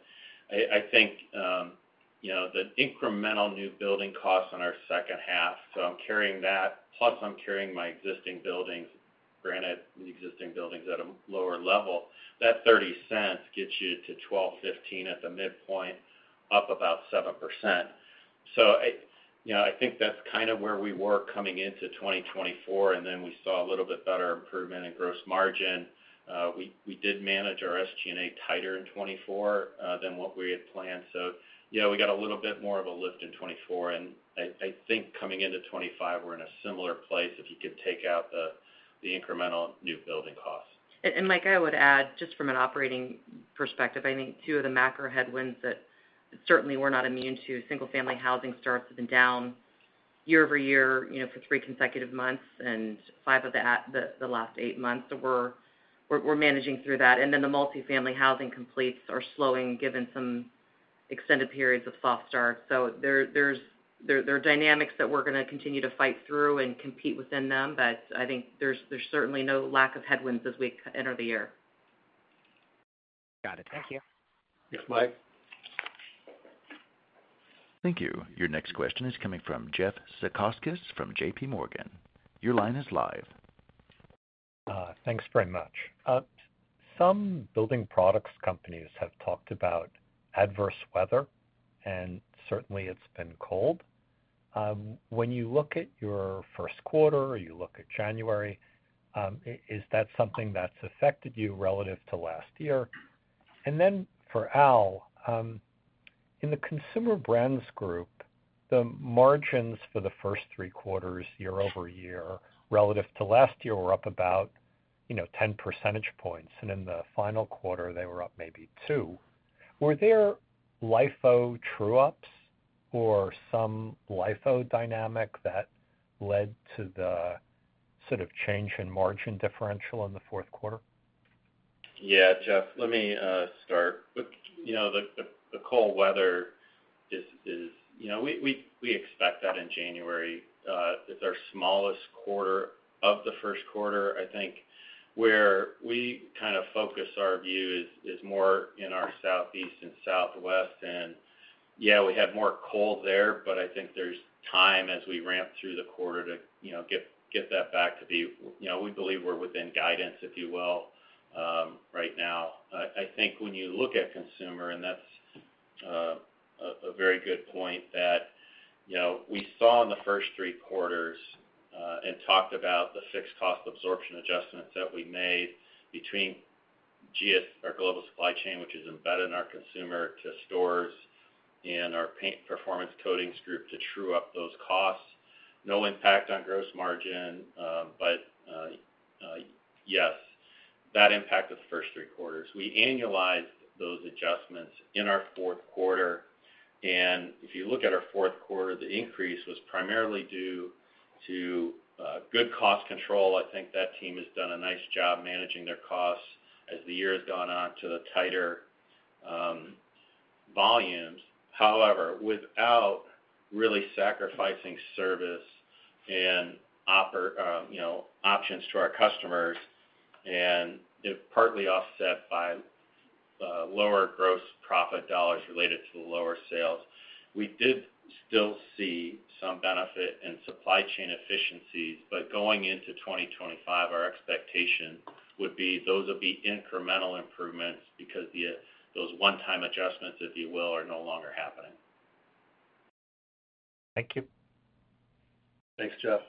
Speaker 4: I think the incremental new building costs on our second half, so I'm carrying that plus I'm carrying my existing buildings, granted the existing buildings at a lower level, that $0.30 gets you to $12.15 at the midpoint, up about 7%. So I think that's kind of where we were coming into 2024, and then we saw a little bit better improvement in gross margin. We did manage our SG&A tighter in 2024 than what we had planned. So yeah, we got a little bit more of a lift in 2024. And I think coming into 2025, we're in a similar place if you can take out the incremental new building costs.
Speaker 3: And like I would add, just from an operating perspective, I think two of the macro headwinds that certainly we're not immune to, single-family housing starts have been down year-over-year for three consecutive months and five of the last eight months. So we're managing through that. And then the multifamily housing completes are slowing given some extended periods of soft start. So there are dynamics that we're going to continue to fight through and compete within them, but I think there's certainly no lack of headwinds as we enter the year.
Speaker 15: Got it. Thank you.
Speaker 4: Yes, Mike.
Speaker 1: Thank you. Your next question is coming from Jeffrey Zekauskas from JPMorgan. Your line is live.
Speaker 16: Thanks very much. Some building products companies have talked about adverse weather, and certainly it's been cold. When you look at your first quarter, you look at January, is that something that's affected you relative to last year? And then for Al, in the Consumer Brands Group, the margins for the first three quarters, year-over-year, relative to last year were up about 10 percentage points. And in the final quarter, they were up maybe two. Were there LIFO true-ups or some LIFO dynamic that led to the sort of change in margin differential in the fourth quarter?
Speaker 4: Yeah, Jeff, let me start. The cold weather is we expect that in January. It's our smallest quarter of the first quarter, I think, where we kind of focus our view is more in our southeast and southwest. Yeah, we have more cold there, but I think there's time as we ramp through the quarter to get that back to be. We believe we're within guidance, if you will, right now. I think when you look at consumer, and that's a very good point, that we saw in the first three quarters and talked about the fixed cost absorption adjustments that we made between GSC, our global supply chain, which is embedded in our Consumer Stores, and our Paint Stores and Performance Coatings Group to true up those costs. No impact on gross margin, but yes, that impacted the first three quarters. We annualized those adjustments in our fourth quarter. If you look at our fourth quarter, the increase was primarily due to good cost control. I think that team has done a nice job managing their costs as the year has gone on to the tighter volumes. However, without really sacrificing service and options to our customers, and partly offset by lower gross profit dollars related to the lower sales, we did still see some benefit in supply chain efficiencies. But going into 2025, our expectation would be those would be incremental improvements because those one-time adjustments, if you will, are no longer happening.
Speaker 17: Thank you.
Speaker 4: Thanks, Jeff.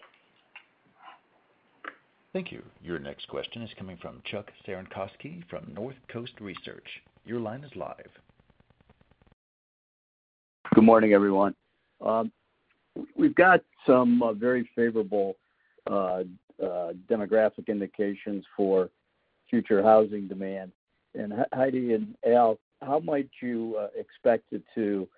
Speaker 1: Thank you. Your next question is coming from Chuck Cerankosky from Northcoast Research. Your line is live.
Speaker 18: Good morning, everyone. We've got some very favorable demographic indications for future housing demand, and Heidi and Al, how might you expect it to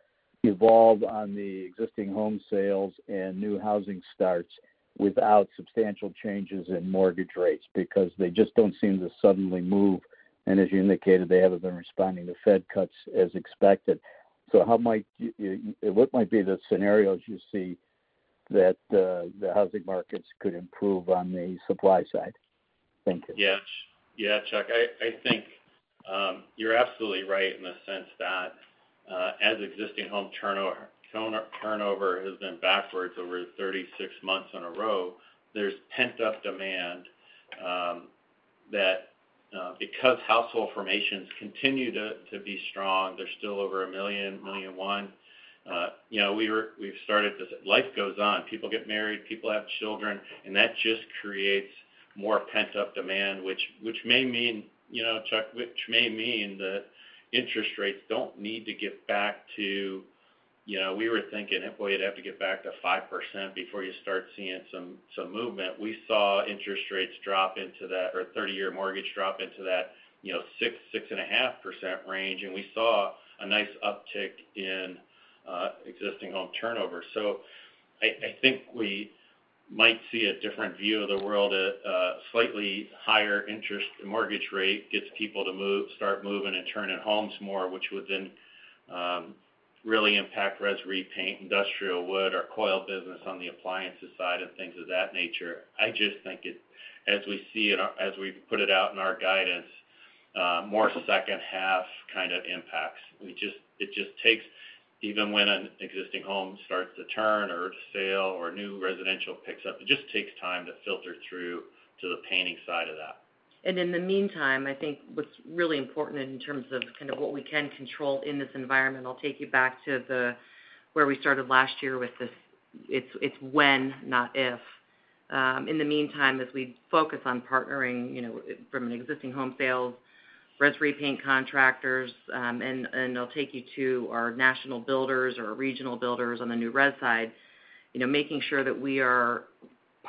Speaker 18: evolve on the existing home sales and new housing starts without substantial changes in mortgage rates? Because they just don't seem to suddenly move. As you indicated, they haven't been responding to Fed cuts as expected. So how might be the scenarios you see that the housing markets could improve on the supply side? Thank you.
Speaker 4: Yeah, yeah, Chuck, I think you're absolutely right in the sense that as existing home turnover has been backwards over 36 months in a row, there's pent-up demand because household formations continue to be strong. They're still over a million, one million one. We've started to say life goes on. People get married, people have children, and that just creates more pent-up demand, which may mean, Chuck, that interest rates don't need to get back to what we were thinking it would have to get back to 5% before you start seeing some movement. We saw interest rates drop into that, where the 30-year mortgage dropped into that 6%-6.5% range, and we saw a nice uptick in existing home turnover, so I think we might see a different view of the world. A slightly higher mortgage interest rate gets people to start moving and turning homes more, which would then really impact Res Repaint, Industrial Wood, our Coil business on the appliances side, and things of that nature. I just think as we see it, as we put it out in our guidance, more second-half kind of impacts. It just takes, even when an existing home starts to turn or sale or new residential picks up, it just takes time to filter through to the painting side of that.
Speaker 3: And in the meantime, I think what's really important in terms of kind of what we can control in this environment. I'll take you back to where we started last year with this. It's when, not if. In the meantime, as we focus on partnering from an existing home sales, Res Repaint contractors, and I'll take you to our national builders or regional builders on the New Res side, making sure that we are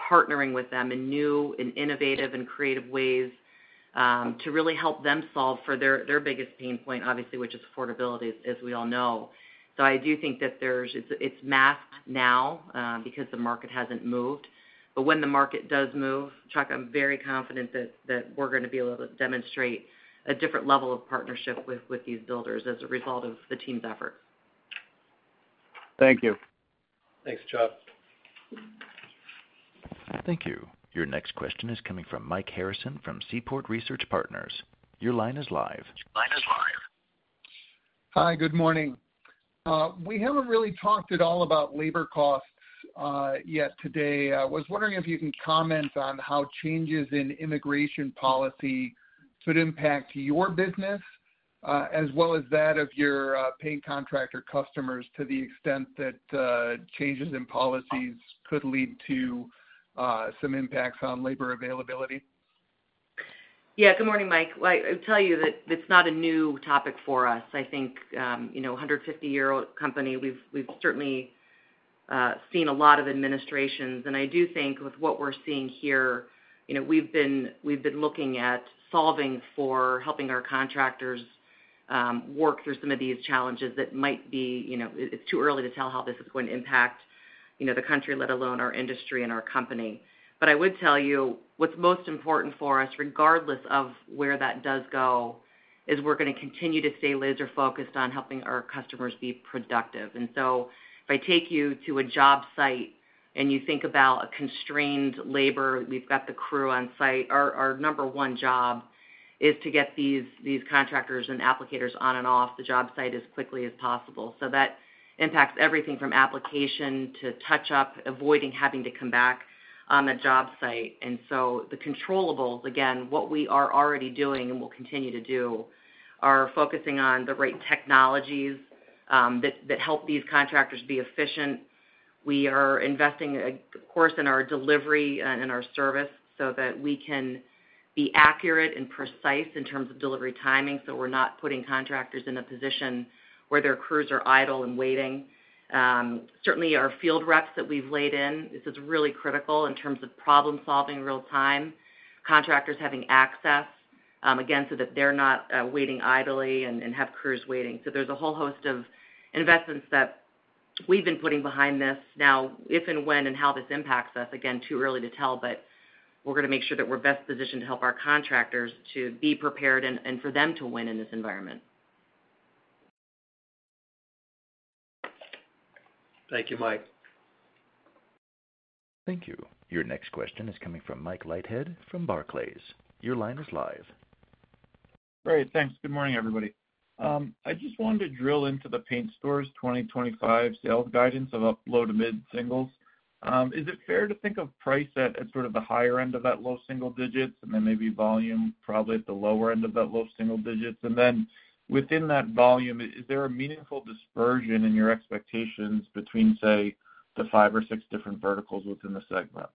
Speaker 3: partnering with them in new and innovative and creative ways to really help them solve for their biggest pain point, obviously, which is affordability, as we all know. So I do think that it's masked now because the market hasn't moved. But when the market does move, Chuck, I'm very confident that we're going to be able to demonstrate a different level of partnership with these builders as a result of the team's efforts.
Speaker 18: Thank you.
Speaker 2: Thanks, Chuck.
Speaker 1: Thank you. Your next question is coming from Mike Harrison from Seaport Research Partners. Your line is live. Line is live.
Speaker 19: Hi, good morning. We haven't really talked at all about labor costs yet today. I was wondering if you can comment on how changes in immigration policy could impact your business as well as that of your paint contractor customers to the extent that changes in policies could lead to some impacts on labor availability.
Speaker 3: Yeah, good morning, Mike. I would tell you that it's not a new topic for us. I think 150-year-old company, we've certainly seen a lot of administrations. I do think with what we're seeing here, we've been looking at solving for helping our contractors work through some of these challenges that might be. It's too early to tell how this is going to impact the country, let alone our industry and our company. I would tell you what's most important for us, regardless of where that does go, is we're going to continue to stay laser-focused on helping our customers be productive. If I take you to a job site and you think about a constrained labor, we've got the crew on site. Our number one job is to get these contractors and applicators on and off the job site as quickly as possible. That impacts everything from application to touch-up, avoiding having to come back on the job site. And so the controllables, again, what we are already doing and will continue to do, are focusing on the right technologies that help these contractors be efficient. We are investing, of course, in our delivery and our service so that we can be accurate and precise in terms of delivery timing so we're not putting contractors in a position where their crews are idle and waiting. Certainly, our field reps that we've laid in, this is really critical in terms of problem-solving real-time, contractors having access, again, so that they're not waiting idly and have crews waiting. So there's a whole host of investments that we've been putting behind this. Now, if and when and how this impacts us, again, too early to tell, but we're going to make sure that we're best positioned to help our contractors to be prepared and for them to win in this environment.
Speaker 2: Thank you, Mike.
Speaker 1: Thank you. Your next question is coming from Michael Leithead from Barclays. Your line is live.
Speaker 20: Great. Thanks. Good morning, everybody. I just wanted to drill into the Paint Stores 2025 sales guidance of up low- to mid-singles. Is it fair to think of price at sort of the higher end of that low single digits and then maybe volume probably at the lower end of that low single digits? And then within that volume, is there a meaningful dispersion in your expectations between, say, the five or six different verticals within the segment?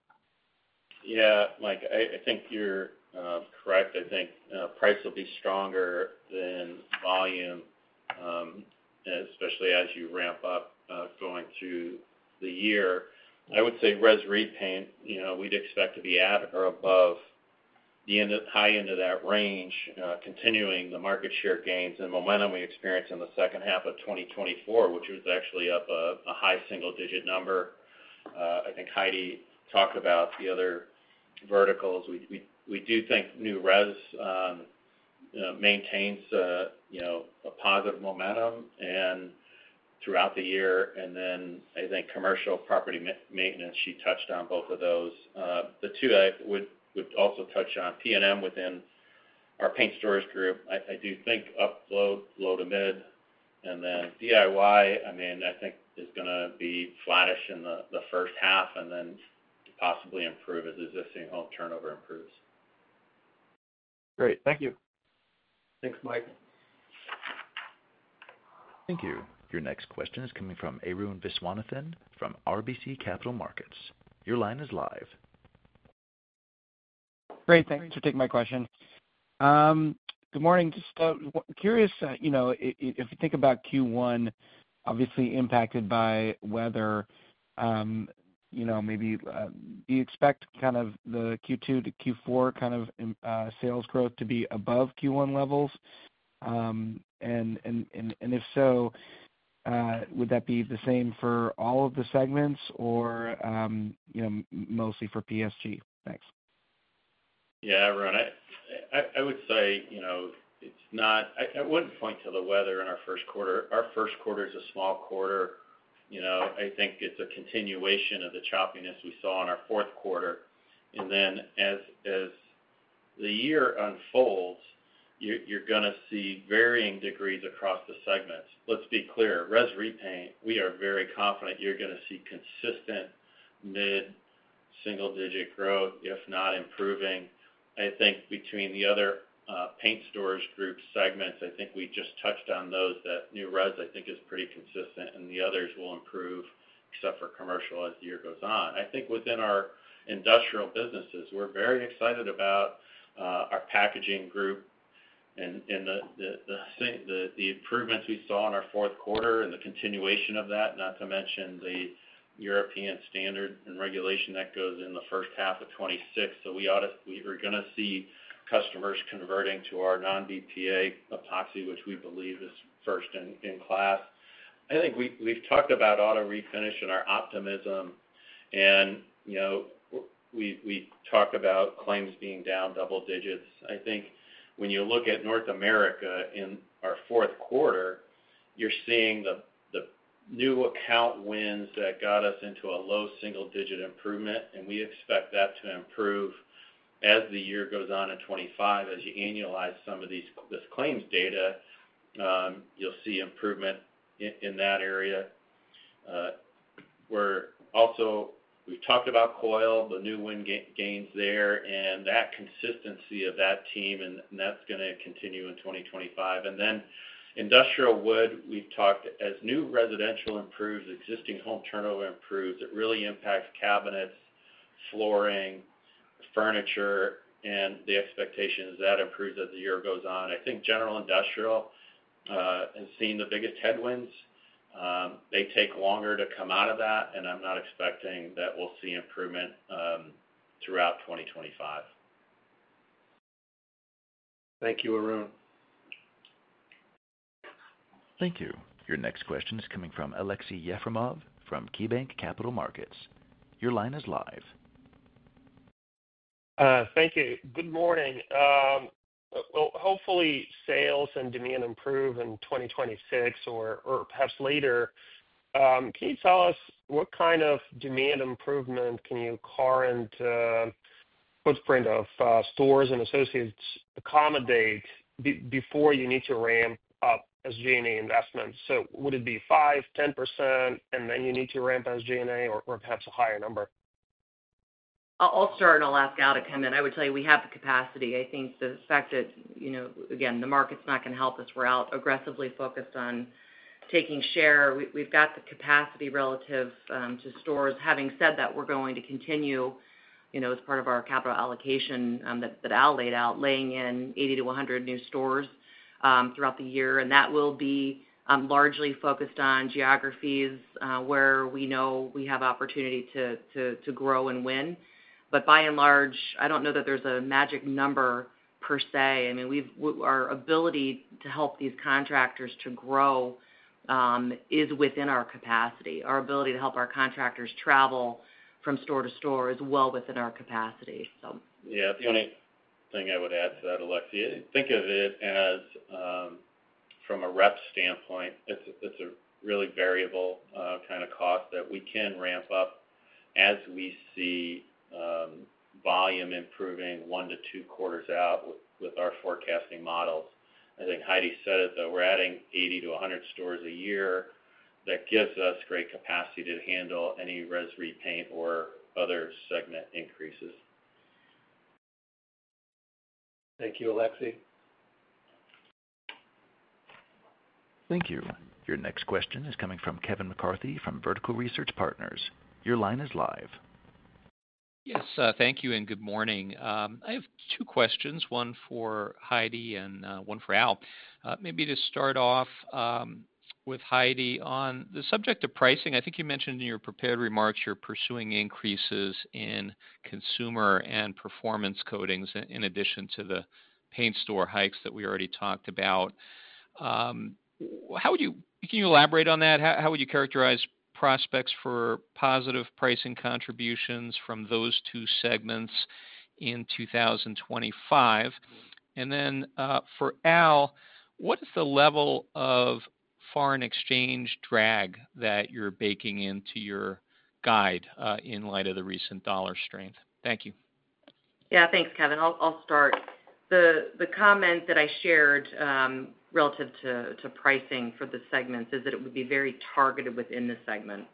Speaker 4: Yeah, Mike, I think you're correct. I think price will be stronger than volume, especially as you ramp up going through the year. I would say Res Repaint, we'd expect to be at or above the high end of that range, continuing the market share gains and momentum we experienced in the second half of 2024, which was actually up a high single-digit number. I think Heidi talked about the other verticals. We do think New Res maintains a positive momentum throughout the year. And then I think Commercial Property Maintenance, she touched on both of those. The two I would also touch on, P&M within our Paint Stores Group, I do think up low, low to mid, and then DIY, I mean, I think is going to be flourish in the first half and then possibly improve as existing home turnover improves.
Speaker 20: Great. Thank you.
Speaker 2: Thanks, Mike.
Speaker 1: Thank you. Your next question is coming from Arun Viswanathan from RBC Capital Markets. Your line is live.
Speaker 21: Great. Thanks for taking my question. Good morning. Just curious, if you think about Q1, obviously impacted by weather, maybe do you expect kind of the Q2 to Q4 kind of sales growth to be above Q1 levels? And if so, would that be the same for all of the segments or mostly for PSG? Thanks.
Speaker 4: Yeah, Arun, I would say it's not. I wouldn't point to the weather in our first quarter. Our first quarter is a small quarter. I think it's a continuation of the choppiness we saw in our fourth quarter. And then as the year unfolds, you're going to see varying degrees across the segments. Let's be clear. Res Repaint, we are very confident you're going to see consistent mid single-digit growth, if not improving. I think between the other Paint Stores Group segments, I think we just touched on those that New Res I think is pretty consistent and the others will improve except for commercial as the year goes on. I think within our industrial businesses, we're very excited about our Packaging Group and the improvements we saw in our fourth quarter and the continuation of that, not to mention the European standard and regulation that goes in the first half of 2026. So we are going to see customers converting to our non-BPA epoxy, which we believe is first in class. I think we've talked about Auto Refinish and our optimism, and we talked about claims being down double digits. I think when you look at North America in our fourth quarter, you're seeing the new account wins that got us into a low single-digit improvement, and we expect that to improve as the year goes on in 2025. As you annualize some of this Coil's data, you'll see improvement in that area. We're also talked about Coil, the new win gains there, and that consistency of that team, and that's going to continue in 2025. And then Industrial Wood, we've talked as new residential improves, existing home turnover improves, it really impacts cabinets, flooring, furniture, and the expectation is that improves as the year goes on. I think General Industrial has seen the biggest headwinds. They take longer to come out of that, and I'm not expecting that we'll see improvement throughout 2025.
Speaker 2: Thank you, Arun.
Speaker 1: Thank you. Your next question is coming from Aleksey Yefremov from KeyBanc Capital Markets. Your line is live.
Speaker 22: Thank you. Good morning. Hopefully sales and demand improve in 2026 or perhaps later. Can you tell us what kind of demand improvement can you carve into the footprint of stores and associates accommodate before you need to ramp up SG&A investments? So would it be 5%, 10%, and then you need to ramp SG&A or perhaps a higher number?
Speaker 3: I'll start and I'll ask Al to come in. I would tell you we have the capacity. I think the fact that, again, the market's not going to help us. We're out aggressively focused on taking share. We've got the capacity relative to stores. Having said that, we're going to continue as part of our capital allocation that Al laid out, laying in 80-100 new stores throughout the year. And that will be largely focused on geographies where we know we have opportunity to grow and win. But by and large, I don't know that there's a magic number per se. I mean, our ability to help these contractors to grow is within our capacity. Our ability to help our contractors travel from store to store is well within our capacity, so.
Speaker 4: Yeah. The only thing I would add to that, Alexei, think of it as from a rep standpoint, it's a really variable kind of cost that we can ramp up as we see volume improving one to two quarters out with our forecasting models. I think Heidi said it, though. We're adding 80 to 100 stores a year. That gives us great capacity to handle any Res Repaint or other segment increases.
Speaker 2: Thank you, Alexei.
Speaker 1: Thank you. Your next question is coming from Kevin McCarthy from Vertical Research Partners. Your line is live.
Speaker 23: Yes. Thank you and good morning. I have two questions, one for Heidi and one for Al. Maybe to start off with Heidi, on the subject of pricing, I think you mentioned in your prepared remarks you're pursuing increases in Consumer and Performance Coatings in addition to the Paint Stores hikes that we already talked about. Can you elaborate on that? How would you characterize prospects for positive pricing contributions from those two segments in 2025? And then for Al, what is the level of foreign exchange drag that you're baking into your guide in light of the recent dollar strength? Thank you.
Speaker 3: Yeah, thanks, Kevin. I'll start. The comment that I shared relative to pricing for the segments is that it would be very targeted within the segment.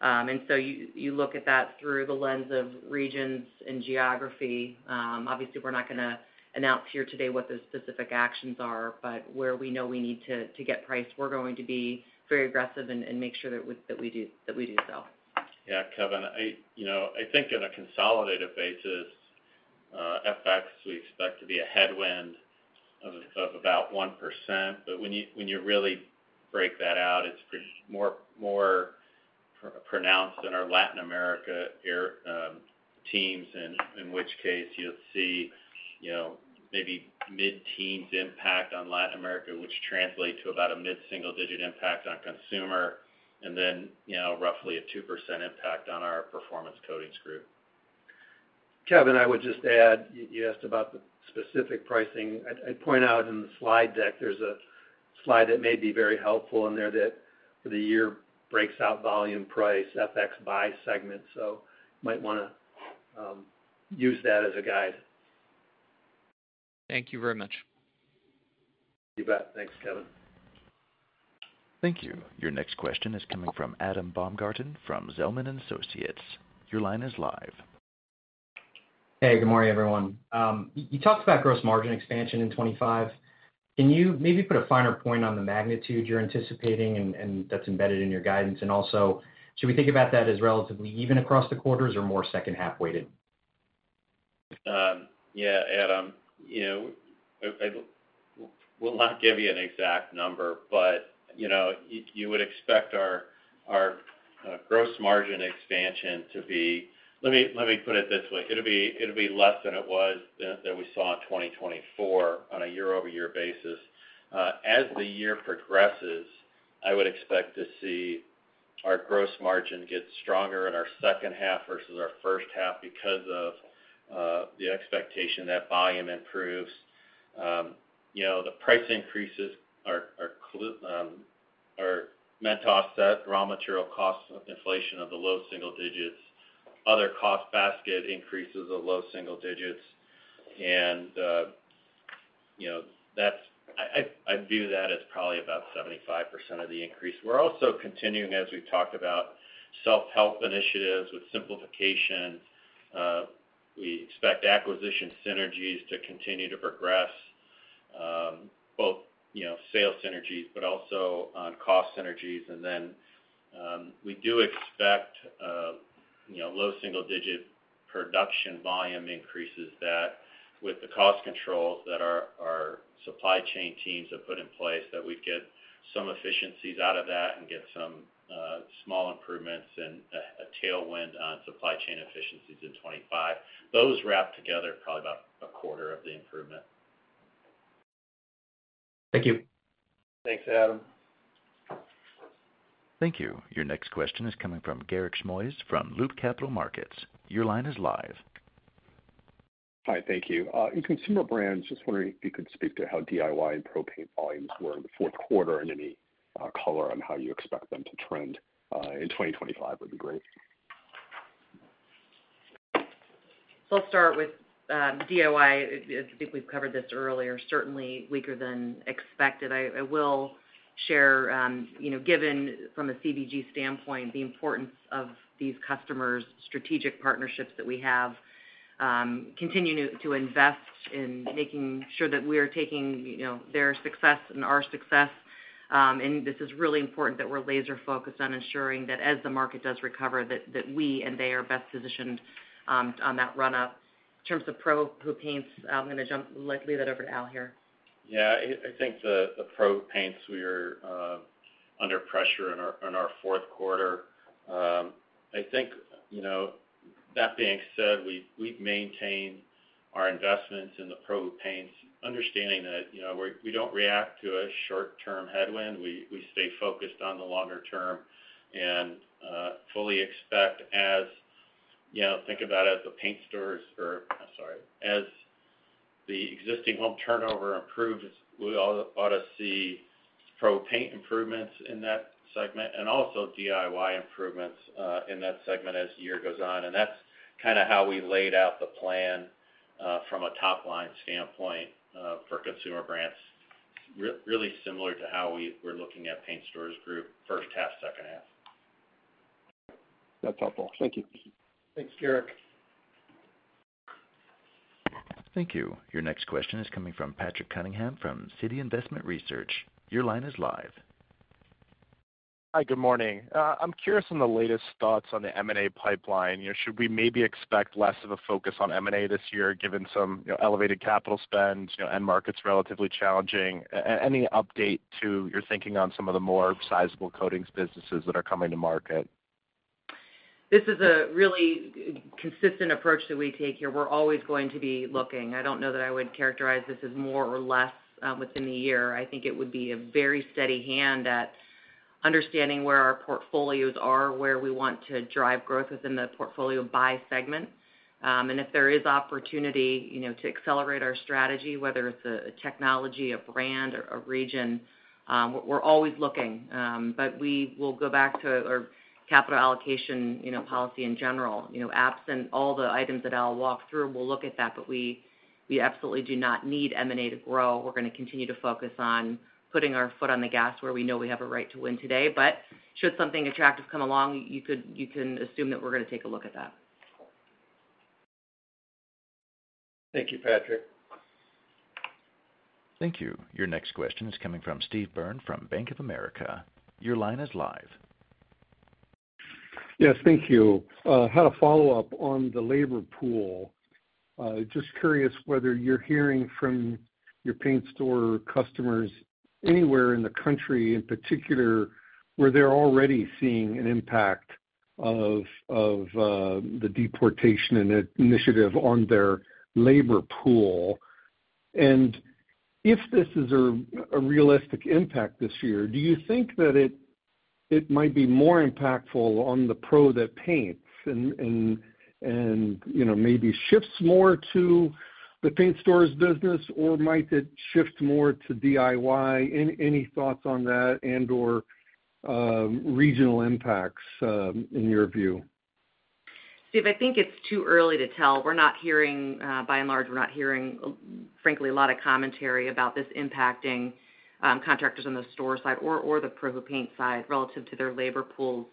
Speaker 3: And so you look at that through the lens of regions and geography. Obviously, we're not going to announce here today what those specific actions are, but where we know we need to get priced, we're going to be very aggressive and make sure that we do so.
Speaker 4: Yeah, Kevin, I think on a consolidated basis, FX, we expect to be a headwind of about 1%. But when you really break that out, it's more pronounced in our Latin America teams, in which case you'll see maybe mid-teens impact on Latin America, which translates to about a mid-single-digit impact on Consumer, and then roughly a 2% impact on our Performance Coatings Group. Kevin, I would just add, you asked about the specific pricing. I'd point out in the slide deck, there's a slide that may be very helpful in there that for the year breaks out volume price, FX by segment. So you might want to use that as a guide.
Speaker 23: Thank you very much.
Speaker 4: You bet. Thanks, Kevin.
Speaker 1: Thank you. Your next question is coming from Adam Baumgarten from Zelman & Associates. Your line is live.
Speaker 24: Hey, good morning, everyone. You talked about gross margin expansion in 2025. Can you maybe put a finer point on the magnitude you're anticipating and that's embedded in your guidance? And also, should we think about that as relatively even across the quarters or more second-half weighted?
Speaker 4: Yeah, Adam, we'll not give you an exact number, but you would expect our gross margin expansion to be. Let me put it this way. It'll be less than it was that we saw in 2024 on a year-over-year basis. As the year progresses, I would expect to see our gross margin get stronger in our second half versus our first half because of the expectation that volume improves. The price increases, our margins set, raw material cost inflation in the low single-digit, other cost basket increases in the low single-digit. And I view that as probably about 75% of the increase. We're also continuing, as we've talked about, self-help initiatives with simplification. We expect acquisition synergies to continue to progress, both sales synergies, but also on cost synergies. And then we do expect low single-digit production volume increases that, with the cost controls that our supply chain teams have put in place, we'd get some efficiencies out of that and get some small improvements and a tailwind on supply chain efficiencies in 2025. Those wrap together probably about a quarter of the improvement.
Speaker 24: Thank you.
Speaker 2: Thanks, Adam.
Speaker 1: Thank you. Your next question is coming from Garik Shmois from Loop Capital Markets. Your line is live.
Speaker 25: Hi, thank you. In Consumer Brands, just wondering if you could speak to how DIY and Pro paint volumes were in the fourth quarter and any color on how you expect them to trend in 2025 would be great.
Speaker 3: So I'll start with DIY. I think we've covered this earlier. Certainly weaker than expected. I will share, given from a CBG standpoint, the importance of these customers' strategic partnerships that we have, continuing to invest in making sure that we are taking their success and our success. And this is really important that we're laser-focused on ensuring that as the market does recover, that we and they are best positioned on that run-up. In terms of Pro paints, I'm going to leave that over to Al here.
Speaker 4: Yeah, I think the Pro paints, we are under pressure in our fourth quarter. I think that being said, we've maintained our investments in the Pro paints, understanding that we don't react to a short-term headwind. We stay focused on the longer term and fully expect, as think of that as the Paint Stores or, I'm sorry, as the existing home turnover improves, we ought to see Pro paint improvements in that segment and also DIY improvements in that segment as the year goes on. And that's kind of how we laid out the plan from a top-line standpoint for Consumer Brands, really similar to how we were looking at Paint Stores Group, first half, second half.
Speaker 25: Okay. That's helpful. Thank you.
Speaker 2: Thanks, Garik.
Speaker 1: Thank you. Your next question is coming from Patrick Cunningham from Citi. Your line is live.
Speaker 26: Hi, good morning. I'm curious on the latest thoughts on the M&A pipeline. Should we maybe expect less of a focus on M&A this year given some elevated capital spend and markets relatively challenging? Any update to your thinking on some of the more sizable coatings businesses that are coming to market?
Speaker 3: This is a really consistent approach that we take here. We're always going to be looking. I don't know that I would characterize this as more or less within the year. I think it would be a very steady hand at understanding where our portfolios are, where we want to drive growth within the portfolio by segment. And if there is opportunity to accelerate our strategy, whether it's a technology, a brand, or a region, we're always looking. But we will go back to our capital allocation policy in general. Absent all the items that I'll walk through, we'll look at that, but we absolutely do not need M&A to grow. We're going to continue to focus on putting our foot on the gas where we know we have a right to win today. But should something attractive come along, you can assume that we're going to take a look at that.
Speaker 2: Thank you, Patrick.
Speaker 1: Thank you. Your next question is coming from Steve Byrne from Bank of America. Your line is live.
Speaker 27: Yes, thank you. I had a follow-up on the labor pool. Just curious whether you're hearing from your Paint Stores customers anywhere in the country, in particular, where they're already seeing an impact of the deportation initiative on their labor pool. If this is a realistic impact this year, do you think that it might be more impactful on the Pro paint and maybe shifts more to the Paint Stores business, or might it shift more to DIY? Any thoughts on that and/or regional impacts in your view?
Speaker 3: Steve, I think it's too early to tell. By and large, we're not hearing, frankly, a lot of commentary about this impacting contractors on the store side or the Pro paint side relative to their labor pools.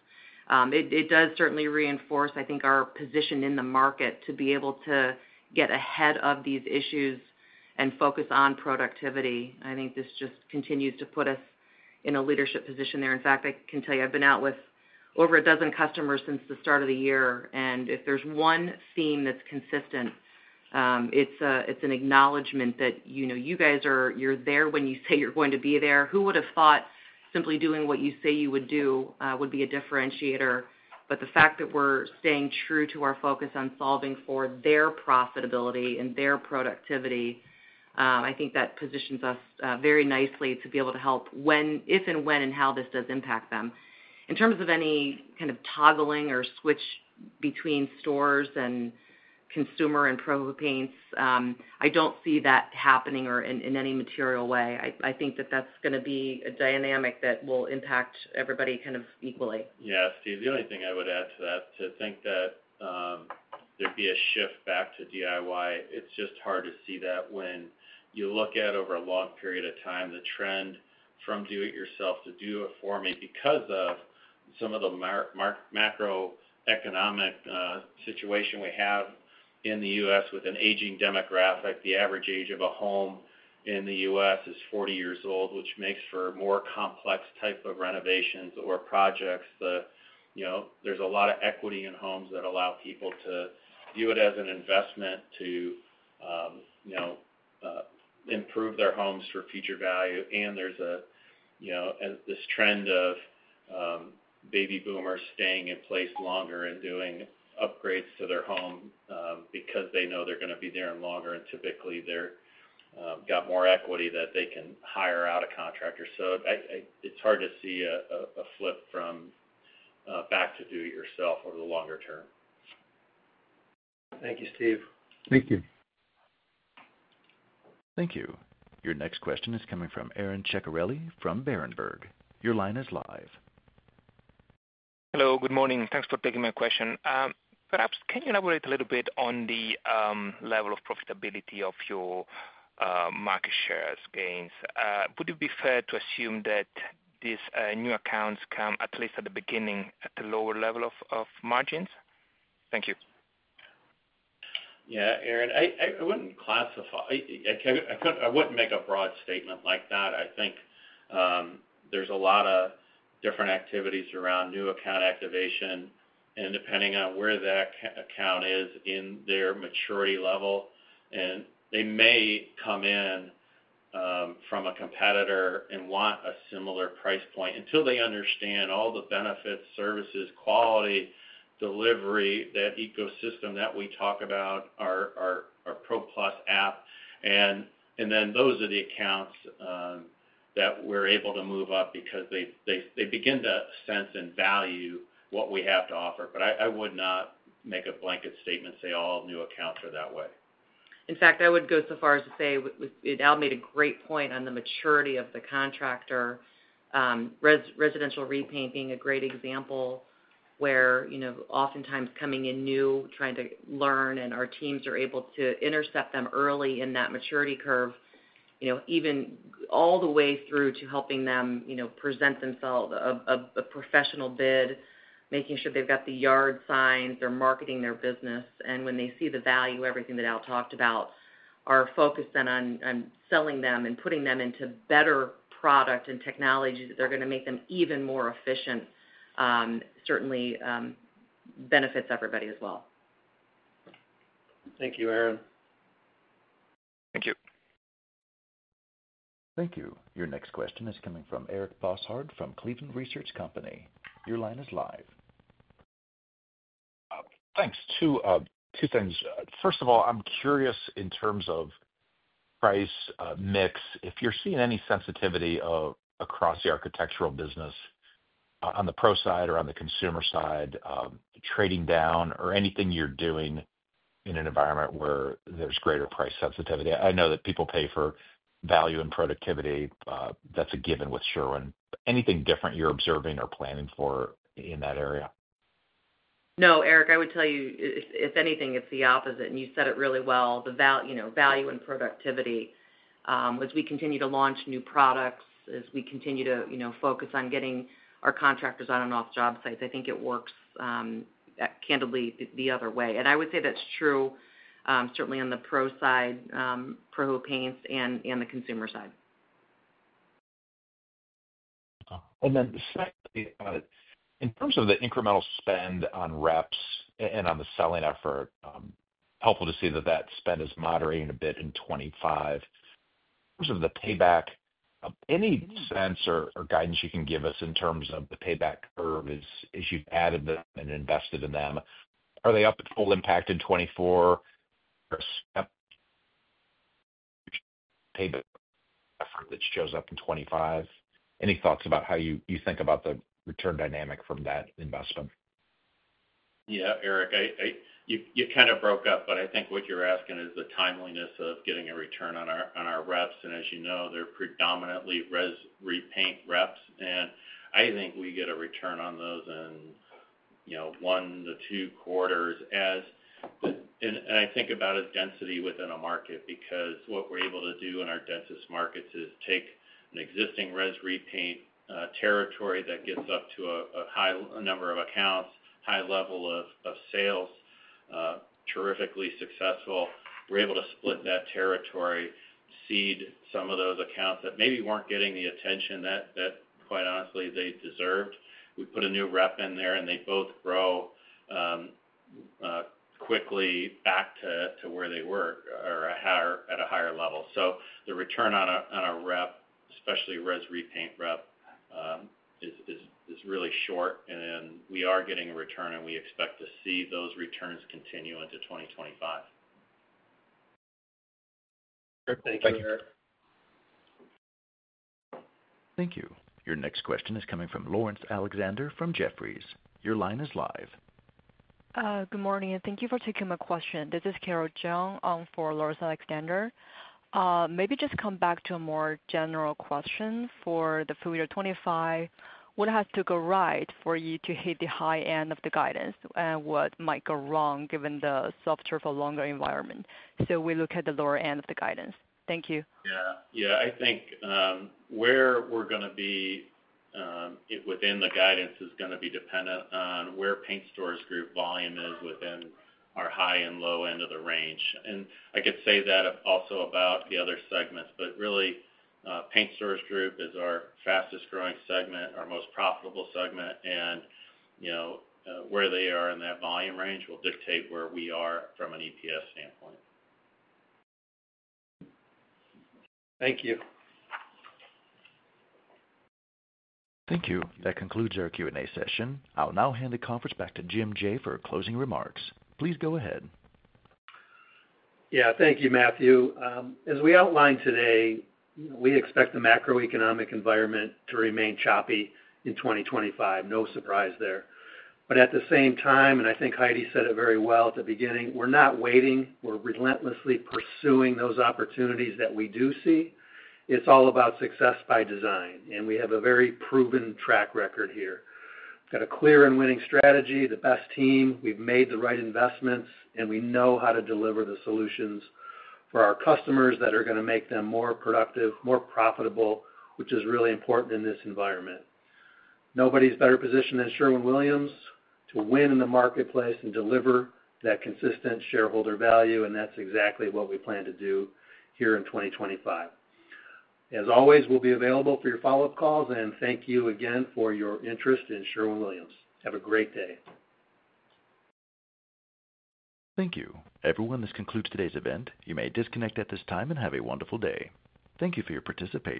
Speaker 3: It does certainly reinforce, I think, our position in the market to be able to get ahead of these issues and focus on productivity. I think this just continues to put us in a leadership position there. In fact, I can tell you, I've been out with over a dozen customers since the start of the year. And if there's one theme that's consistent, it's an acknowledgment that you guys are there when you say you're going to be there. Who would have thought simply doing what you say you would do would be a differentiator? But the fact that we're staying true to our focus on solving for their profitability and their productivity, I think that positions us very nicely to be able to help if and when and how this does impact them. In terms of any kind of toggling or switch between stores and consumer and Pro paints, I don't see that happening in any material way. I think that that's going to be a dynamic that will impact everybody kind of equally.
Speaker 4: Yeah, Steve, the only thing I would add to that, to think that there'd be a shift back to DIY, it's just hard to see that when you look at over a long period of time, the trend from do-it-yourself to do-it-for-me because of some of the macroeconomic situation we have in the U.S. with an aging demographic. The average age of a home in the U.S. is 40 years old, which makes for more complex types of renovations or projects. There's a lot of equity in homes that allow people to view it as an investment to improve their homes for future value. And there's this trend of baby boomers staying in place longer and doing upgrades to their home because they know they're going to be there longer. And typically, they've got more equity that they can hire out a contractor. So it's hard to see a flip from back to do-it-yourself over the longer term.
Speaker 2: Thank you, Steve.
Speaker 27: Thank you.
Speaker 1: Thank you. Your next question is coming from Aron Ceccarelli from Berenberg. Your line is live.
Speaker 28: Hello, good morning. Thanks for taking my question. Perhaps, can you elaborate a little bit on the level of profitability of your market share gains? Would it be fair to assume that these new accounts come, at least at the beginning, at a lower level of margins? Thank you.
Speaker 4: Yeah, Aron, I wouldn't classify, I wouldn't make a broad statement like that. I think there's a lot of different activities around new account activation. Depending on where that account is in their maturity level, they may come in from a competitor and want a similar price point until they understand all the benefits, services, quality, delivery, that ecosystem that we talk about, our PRO+ App. Then those are the accounts that we're able to move up because they begin to sense and value what we have to offer. I would not make a blanket statement, say, "All new accounts are that way."
Speaker 3: In fact, I would go so far as to say Al made a great point on the maturity of the contractor. Residential repaint being a great example where oftentimes coming in new, trying to learn, and our teams are able to intercept them early in that maturity curve, even all the way through to helping them present themselves as a professional bid, making sure they've got the yard signs, they're marketing their business. When they see the value, everything that Al talked about, our focus then on selling them and putting them into better product and technology that they're going to make them even more efficient certainly benefits everybody as well.
Speaker 2: Thank you, Aaron.
Speaker 28: Thank you.
Speaker 1: Thank you. Your next question is coming from Eric Bosshard from Cleveland Research Company. Your line is live.
Speaker 29: Thanks. Two things. First of all, I'm curious in terms of price mix, if you're seeing any sensitivity across the architectural business on the pro side or on the consumer side, trading down, or anything you're doing in an environment where there's greater price sensitivity. I know that people pay for value and productivity. That's a given with Sherwin. But anything different you're observing or planning for in that area?
Speaker 3: No, Eric, I would tell you, if anything, it's the opposite. And you said it really well. The value and productivity, as we continue to launch new products, as we continue to focus on getting our contractors on and off job sites, I think it works candidly the other way. And I would say that's true certainly on the pro side, Pro paints, and the consumer side.
Speaker 29: Then secondly, in terms of the incremental spend on reps and on the selling effort, helpful to see that that spend is moderating a bit in 2025. In terms of the payback, any sense or guidance you can give us in terms of the payback curve as you've added them and invested in them? Are they up at full impact in 2024? Payback effort that shows up in 2025? Any thoughts about how you think about the return dynamic from that investment?
Speaker 4: Yeah, Eric, you kind of broke up, but I think what you're asking is the timeliness of getting a return on our reps. And as you know, they're predominantly repaint reps. And I think we get a return on those in one to two quarters. And I think about a density within a market because what we're able to do in our densest markets is take an existing Res Repaint territory that gets up to a high number of accounts, high level of sales, terrifically successful. We're able to split that territory, seed some of those accounts that maybe weren't getting the attention that, quite honestly, they deserved. We put a new rep in there, and they both grow quickly back to where they were at a higher level. So the return on a rep, especially Res Repaint rep, is really short. And we are getting a return, and we expect to see those returns continue into 2025.
Speaker 2: Thank you.
Speaker 1: Thank you. Your next question is coming from Laurence Alexander from Jefferies. Your line is live.
Speaker 30: Good morning, and thank you for taking my question. This is Carol Jung for Laurence Alexander. Maybe just come back to a more general question for the FY 2025. What has to go right for you to hit the high end of the guidance, and what might go wrong given the softer for longer environment? So we look at the lower end of the guidance. Thank you.
Speaker 4: Yeah. Yeah. I think where we're going to be within the guidance is going to be dependent on where Paint Stores Group volume is within our high and low end of the range. And I could say that also about the other segments, but really, Paint Stores Group is our fastest growing segment, our most profitable segment. And where they are in that volume range will dictate where we are from an EPS standpoint.
Speaker 2: Thank you.
Speaker 1: Thank you. That concludes our Q&A session. I'll now hand the conference back to Jim Jaye for closing remarks. Please go ahead.
Speaker 2: Yeah. Thank you, Matthew. As we outlined today, we expect the macroeconomic environment to remain choppy in 2025. No surprise there, but at the same time, and I think Heidi said it very well at the beginning, we're not waiting. We're relentlessly pursuing those opportunities that we do see. It's all about success by design, and we have a very proven track record here. We've got a clear and winning strategy, the best team. We've made the right investments, and we know how to deliver the solutions for our customers that are going to make them more productive, more profitable, which is really important in this environment. Nobody's better positioned than Sherwin-Williams to win in the marketplace and deliver that consistent shareholder value, and that's exactly what we plan to do here in 2025. As always, we'll be available for your follow-up calls. And thank you again for your interest in Sherwin-Williams. Have a great day.
Speaker 1: Thank you. Everyone, this concludes today's event. You may disconnect at this time and have a wonderful day. Thank you for your participation.